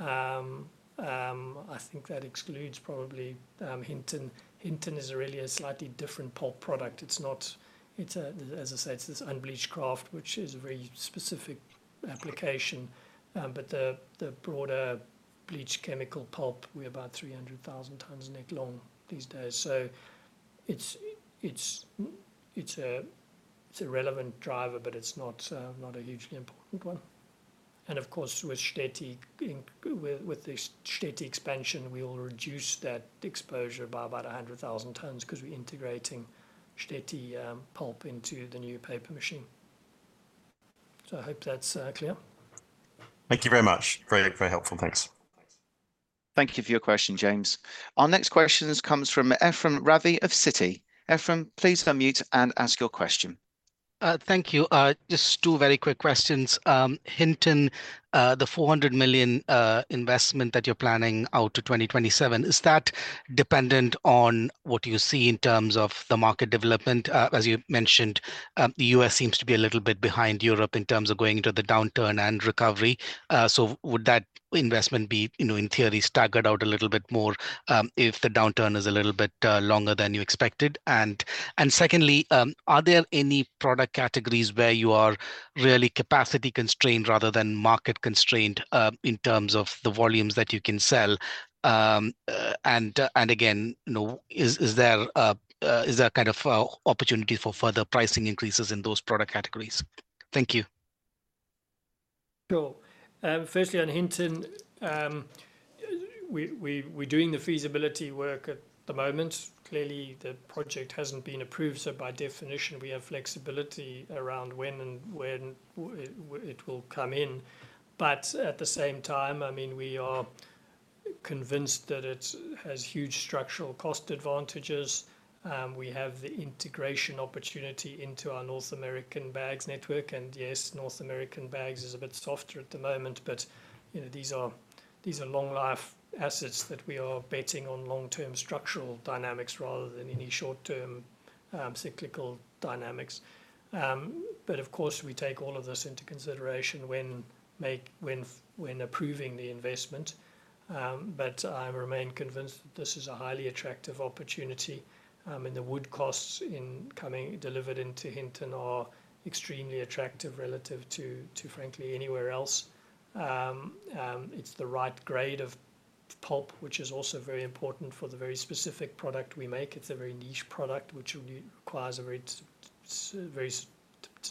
[SPEAKER 1] I think that excludes probably Hinton. Hinton is really a slightly different pulp product. It's not, as I say, it's this unbleached kraft, which is a very specific application. The broader bleached chemical pulp, we're about 300,000 tons net long these days. It's a relevant driver, but it's not a hugely important one. And of course, with Štětí, with the Štětí expansion, we will reduce that exposure by about 100,000 tons because we're integrating Štětí pulp into the new paper machine. So I hope that's clear.
[SPEAKER 9] Thank you very much. Very helpful. Thanks.
[SPEAKER 3] Thank you for your question, James. Our next question comes from Ephrem Ravi of Citi. Ephrem, please unmute and ask your question.
[SPEAKER 10] Thank you. Just two very quick questions. Hinton, the 400 million investment that you're planning out to 2027, is that dependent on what you see in terms of the market development? As you mentioned, the U.S. seems to be a little bit behind Europe in terms of going into the downturn and recovery. So would that investment be, in theory, staggered out a little bit more if the downturn is a little bit longer than you expected? And secondly, are there any product categories where you are really capacity constrained rather than market constrained in terms of the volumes that you can sell? And again, is there kind of opportunity for further pricing increases in those product categories? Thank you.
[SPEAKER 1] Sure. Firstly, on Hinton, we're doing the feasibility work at the moment. Clearly, the project hasn't been approved. So by definition, we have flexibility around when and where it will come in. But at the same time, I mean, we are convinced that it has huge structural cost advantages. We have the integration opportunity into our North American bags network. And yes, North American bags is a bit softer at the moment, but these are long-life assets that we are betting on long-term structural dynamics rather than any short-term cyclical dynamics. But of course, we take all of this into consideration when approving the investment. But I remain convinced that this is a highly attractive opportunity. I mean, the wood costs delivered into Hinton are extremely attractive relative to, frankly, anywhere else. It's the right grade of pulp, which is also very important for the very specific product we make. It's a very niche product, which requires a very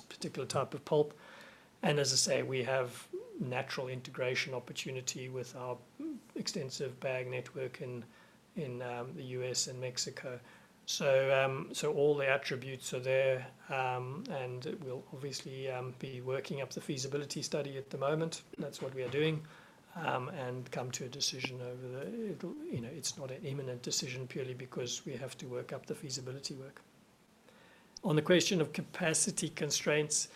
[SPEAKER 1] particular type of pulp. And as I say, we have natural integration opportunity with our extensive bag network in the U.S. and Mexico. So all the attributes are there. And we'll obviously be working up the feasibility study at the moment. That's what we are doing. And come to a decision over the. It's not an imminent decision purely because we have to work up the feasibility work. On the question of capacity constraints,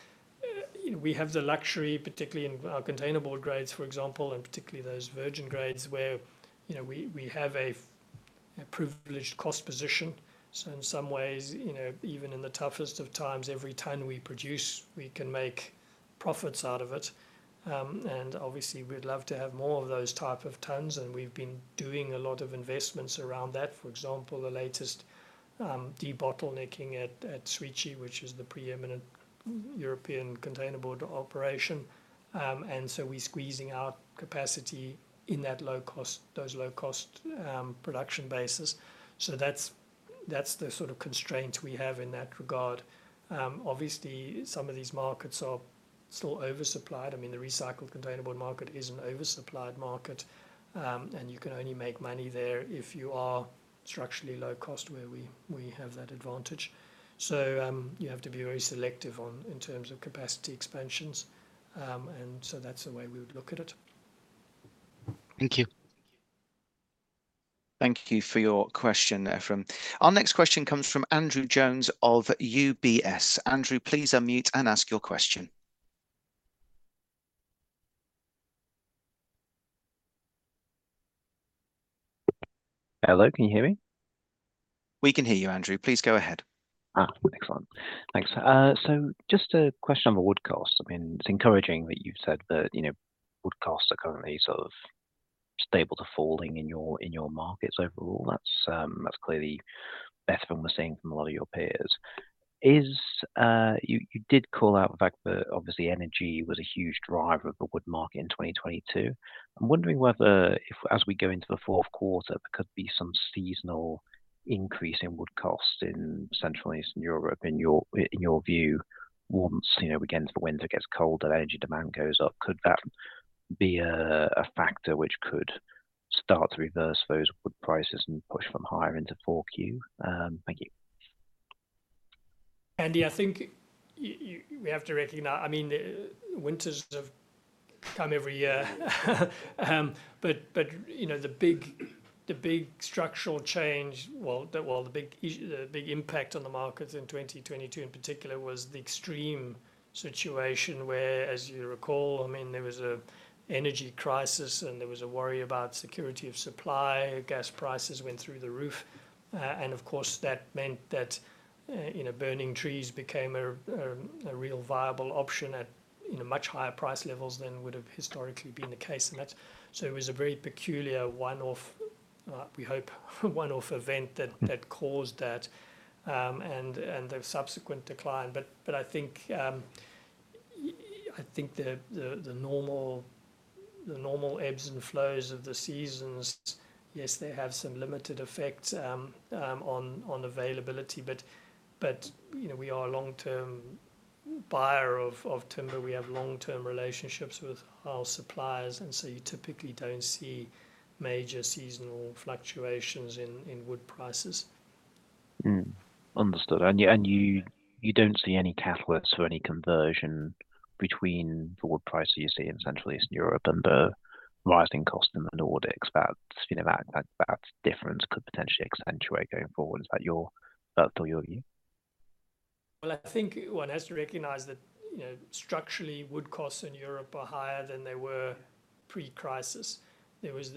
[SPEAKER 1] we have the luxury, particularly in our containerboard grades, for example, and particularly those virgin grades where we have a privileged cost position. So in some ways, even in the toughest of times, every ton we produce, we can make profits out of it. And obviously, we'd love to have more of those types of tons. And we've been doing a lot of investments around that. For example, the latest debottlenecking at Štětí, which is the preeminent European container board operation. And so we're squeezing our capacity in those low-cost production bases. So that's the sort of constraints we have in that regard. Obviously, some of these markets are still oversupplied. I mean, the recycled container board market is an oversupplied market. And you can only make money there if you are structurally low-cost, where we have that advantage. So you have to be very selective in terms of capacity expansions. And so that's the way we would look at it.
[SPEAKER 10] Thank you.
[SPEAKER 3] Thank you for your question, Ephrem. Our next question comes from Andrew Jones of UBS. Andrew, please unmute and ask your question.
[SPEAKER 11] Hello, can you hear me?
[SPEAKER 3] We can hear you, Andrew. Please go ahead.
[SPEAKER 11] Excellent. Thanks. So just a question on the wood costs. I mean, it's encouraging that you've said that wood costs are currently sort of stable to falling in your markets overall. That's clearly better than we're seeing from a lot of your peers. You did call out the fact that, obviously, energy was a huge driver of the wood market in 2022. I'm wondering whether, as we go into the fourth quarter, there could be some seasonal increase in wood costs in Central and Eastern Europe. In your view, once again, the winter gets colder and energy demand goes up, could that be a factor which could start to reverse those wood prices and push them higher into 4Q? Thank you.
[SPEAKER 1] Andy, I think we have to recognize, I mean, winters have come every year. But the big structural change, well, the big impact on the markets in 2022 in particular was the extreme situation where, as you recall, I mean, there was an energy crisis and there was a worry about security of supply. Gas prices went through the roof. And of course, that meant that burning trees became a real viable option at much higher price levels than would have historically been the case. And so it was a very peculiar one-off, we hope, one-off event that caused that and the subsequent decline. But I think the normal ebbs and flows of the seasons, yes, they have some limited effects on availability. But we are a long-term buyer of timber. We have long-term relationships with our suppliers. And so you typically don't see major seasonal fluctuations in wood prices.
[SPEAKER 11] Understood. And you don't see any catalysts for any conversion between the wood prices you see in Central and Eastern Europe and the rising cost in the Nordics. That difference could potentially accentuate going forward. Is that your thought or your view?
[SPEAKER 1] Well, I think one has to recognize that structurally, wood costs in Europe are higher than they were pre-crisis.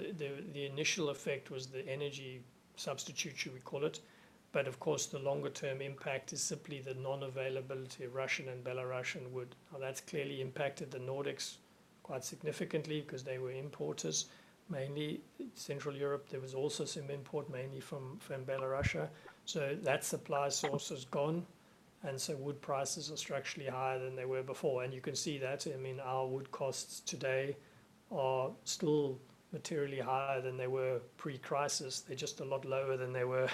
[SPEAKER 1] The initial effect was the energy substitute, should we call it. But of course, the longer-term impact is simply the non-availability of Russian and Belarusian wood. That's clearly impacted the Nordics quite significantly because they were importers, mainly Central Europe. There was also some import, mainly from Belarus. So that supply source has gone. And so wood prices are structurally higher than they were before. And you can see that. I mean, our wood costs today are still materially higher than they were pre-crisis. They're just a lot lower than they were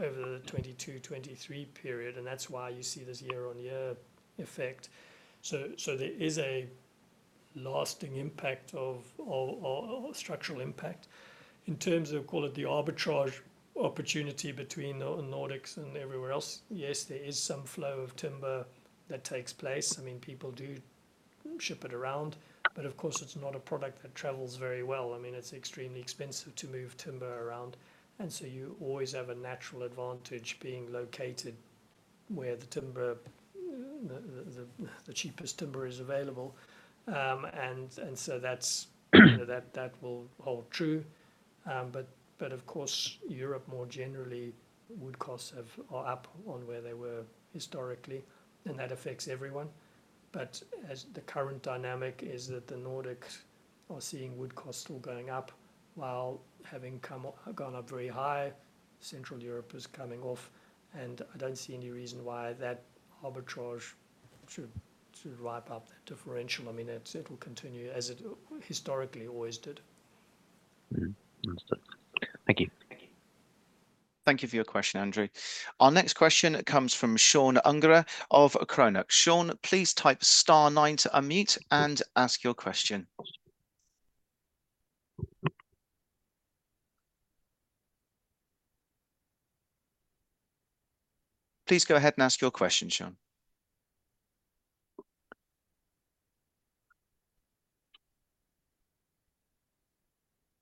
[SPEAKER 1] over the 2022-2023 period. And that's why you see this year-on-year effect. So there is a lasting impact of structural impact. In terms of, call it the arbitrage opportunity between the Nordics and everywhere else, yes, there is some flow of timber that takes place. I mean, people do ship it around. But of course, it's not a product that travels very well. I mean, it's extremely expensive to move timber around. And so you always have a natural advantage being located where the cheapest timber is available. And so that will hold true. But of course, Europe more generally, wood costs are up on where they were historically. And that affects everyone. But the current dynamic is that the Nordics are seeing wood costs still going up. While having gone up very high, Central Europe is coming off. And I don't see any reason why that arbitrage should wipe out that differential. I mean, it will continue as it historically always did.
[SPEAKER 11] Thank you.
[SPEAKER 3] Thank you for your question, Andrew. Our next question comes from Sean Ungerer of Chronux. Sean, please type star nine to unmute and ask your question. Please go ahead and ask your question, Sean.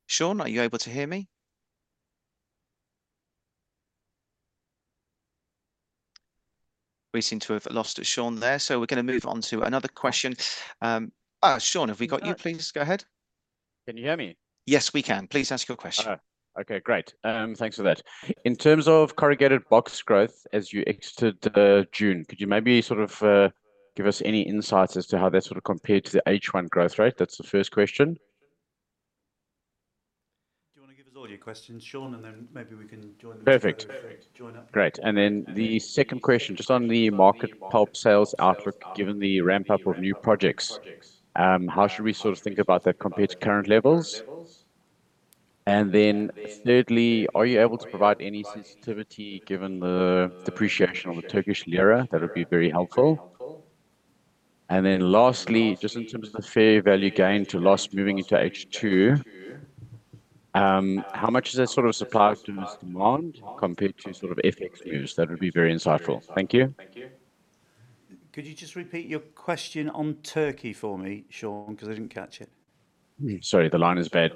[SPEAKER 3] Sean, are you able to hear me? We seem to have lost Sean there. So we're going to move on to another question. Sean, have we got you? Please go ahead.
[SPEAKER 12] Can you hear me?
[SPEAKER 3] Yes, we can. Please ask your question.
[SPEAKER 12] Okay, great. Thanks for that. In terms of corrugated box growth, as you exited June, could you maybe sort of give us any insights as to how that sort of compared to the H1 growth rate? That's the first question.
[SPEAKER 1] Do you want to give us all your questions, Sean? Then maybe we can join the.
[SPEAKER 12] Perfect.
[SPEAKER 1] Join up.
[SPEAKER 12] Great. And then the second question, just on the market pulp sales outlook, given the ramp-up of new projects, how should we sort of think about that compared to current levels? And then thirdly, are you able to provide any sensitivity given the depreciation of the Turkish lira? That would be very helpful. And then lastly, just in terms of the fair value gain to loss moving into H2, how much is that sort of supply to this demand compared to sort of FX moves? That would be very insightful. Thank you.
[SPEAKER 1] Could you just repeat your question on Turkey for me, Sean? Because I didn't catch it.
[SPEAKER 12] Sorry, the line is bad.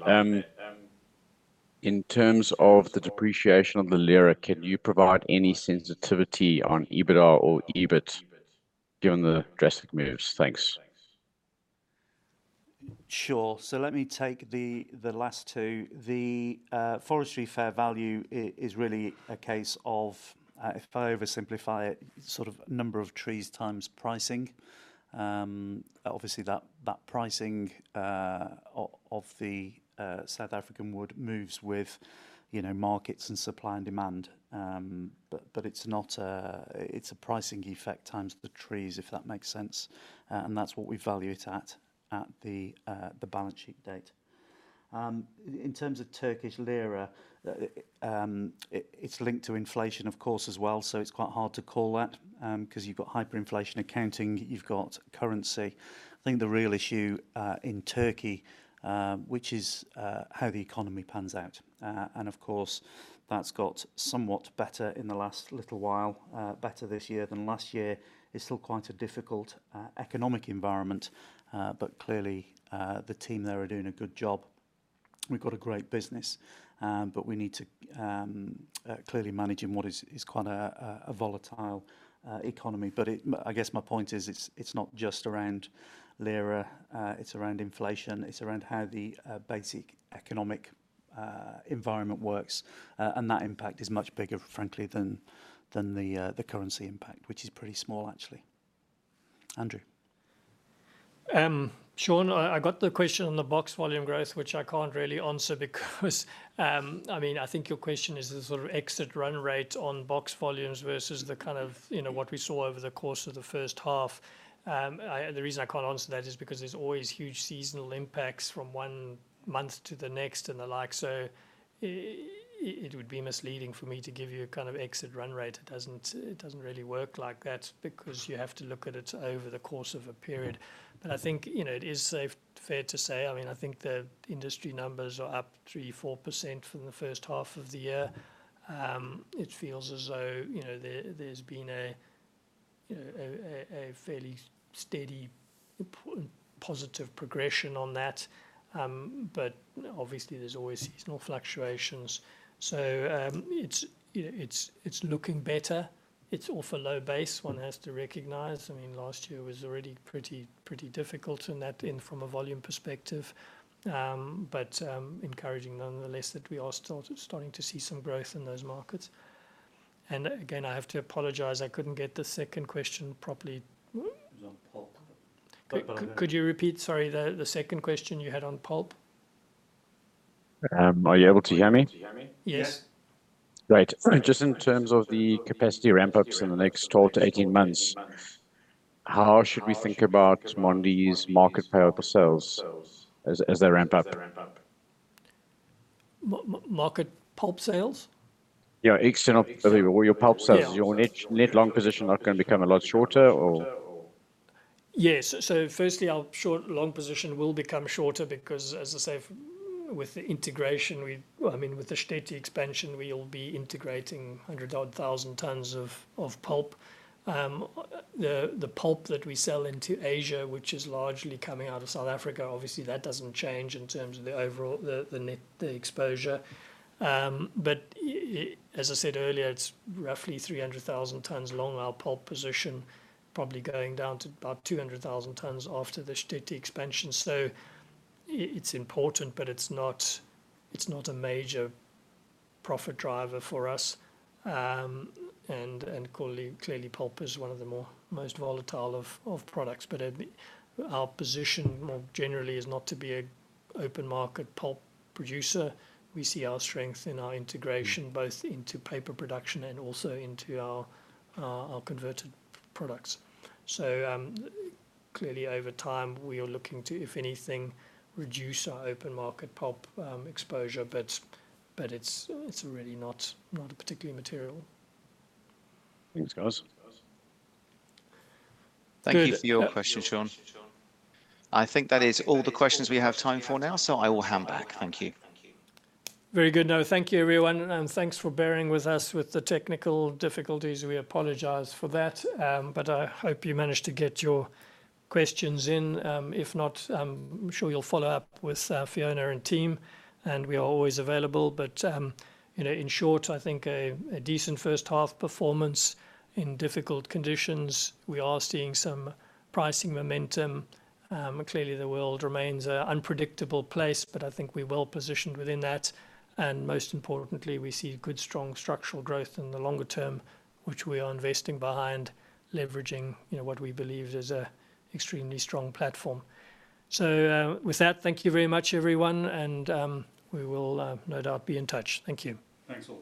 [SPEAKER 12] In terms of the depreciation of the Lira, can you provide any sensitivity on EBITDA or EBIT given the drastic moves? Thanks.
[SPEAKER 2] Sure. So let me take the last two. The forestry fair value is really a case of, if I oversimplify it, sort of number of trees times pricing. Obviously, that pricing of the South African wood moves with markets and supply and demand. But it's a pricing effect times the trees, if that makes sense. And that's what we value it at the balance sheet date. In terms of Turkish lira, it's linked to inflation, of course, as well. So it's quite hard to call that because you've got hyperinflation accounting, you've got currency. I think the real issue in Turkey, which is how the economy pans out. And of course, that's got somewhat better in the last little while, better this year than last year. It's still quite a difficult economic environment. But clearly, the team there are doing a good job. We've got a great business. But we need to clearly manage in what is quite a volatile economy. But I guess my point is it's not just around lira. It's around inflation. It's around how the basic economic environment works. And that impact is much bigger, frankly, than the currency impact, which is pretty small, actually. Andrew.
[SPEAKER 1] Sean, I got the question on the box volume growth, which I can't really answer because, I mean, I think your question is the sort of exit run rate on box volumes versus the kind of what we saw over the course of the first half. The reason I can't answer that is because there's always huge seasonal impacts from one month to the next and the like. So it would be misleading for me to give you a kind of exit run rate. It doesn't really work like that because you have to look at it over the course of a period. But I think it is fair to say, I mean, I think the industry numbers are up 3%-4% from the first half of the year. It feels as though there's been a fairly steady, important positive progression on that. But obviously, there's always seasonal fluctuations. So it's looking better. It's off a low base, one has to recognize. I mean, last year was already pretty difficult in that end from a volume perspective. But encouraging nonetheless that we are starting to see some growth in those markets. And again, I have to apologize. I couldn't get the second question properly. Could you repeat? Sorry, the second question you had on pulp?
[SPEAKER 12] Are you able to hear me?
[SPEAKER 1] Yes.
[SPEAKER 13] Great. Just in terms of the capacity ramp-ups in the next 12-18 months, how should we think about Mondi's market power sales as they ramp up?
[SPEAKER 1] Market pulp sales?
[SPEAKER 12] Your pulp sales. Is your net long position not going to become a lot shorter or?
[SPEAKER 1] Yes. So firstly, our short long position will become shorter because, as I say, with the integration, I mean, with the Štětí expansion, we'll be integrating 100,000 tons of pulp. The pulp that we sell into Asia, which is largely coming out of South Africa, obviously, that doesn't change in terms of the net exposure. But as I said earlier, it's roughly 300,000 tons long, our pulp position, probably going down to about 200,000 tons after the Štětí expansion. So it's important, but it's not a major profit driver for us. And clearly, pulp is one of the most volatile of products. But our position more generally is not to be an open market pulp producer. We see our strength in our integration, both into paper production and also into our converted products. So clearly, over time, we are looking to, if anything, reduce our open market pulp exposure. But it's really not a particularly material.
[SPEAKER 12] Thanks, guys.
[SPEAKER 3] Thank you for your question, Sean. I think that is all the questions we have time for now. So I will hand back. Thank you.
[SPEAKER 1] Very good. No, thank you, everyone. Thanks for bearing with us with the technical difficulties. We apologize for that. I hope you managed to get your questions in. If not, I'm sure you'll follow up with Fiona and team. We are always available. In short, I think a decent first half performance in difficult conditions. We are seeing some pricing momentum. Clearly, the world remains an unpredictable place, but I think we're well positioned within that. Most importantly, we see good, strong structural growth in the longer term, which we are investing behind, leveraging what we believe is an extremely strong platform. With that, thank you very much, everyone. We will no doubt be in touch. Thank you.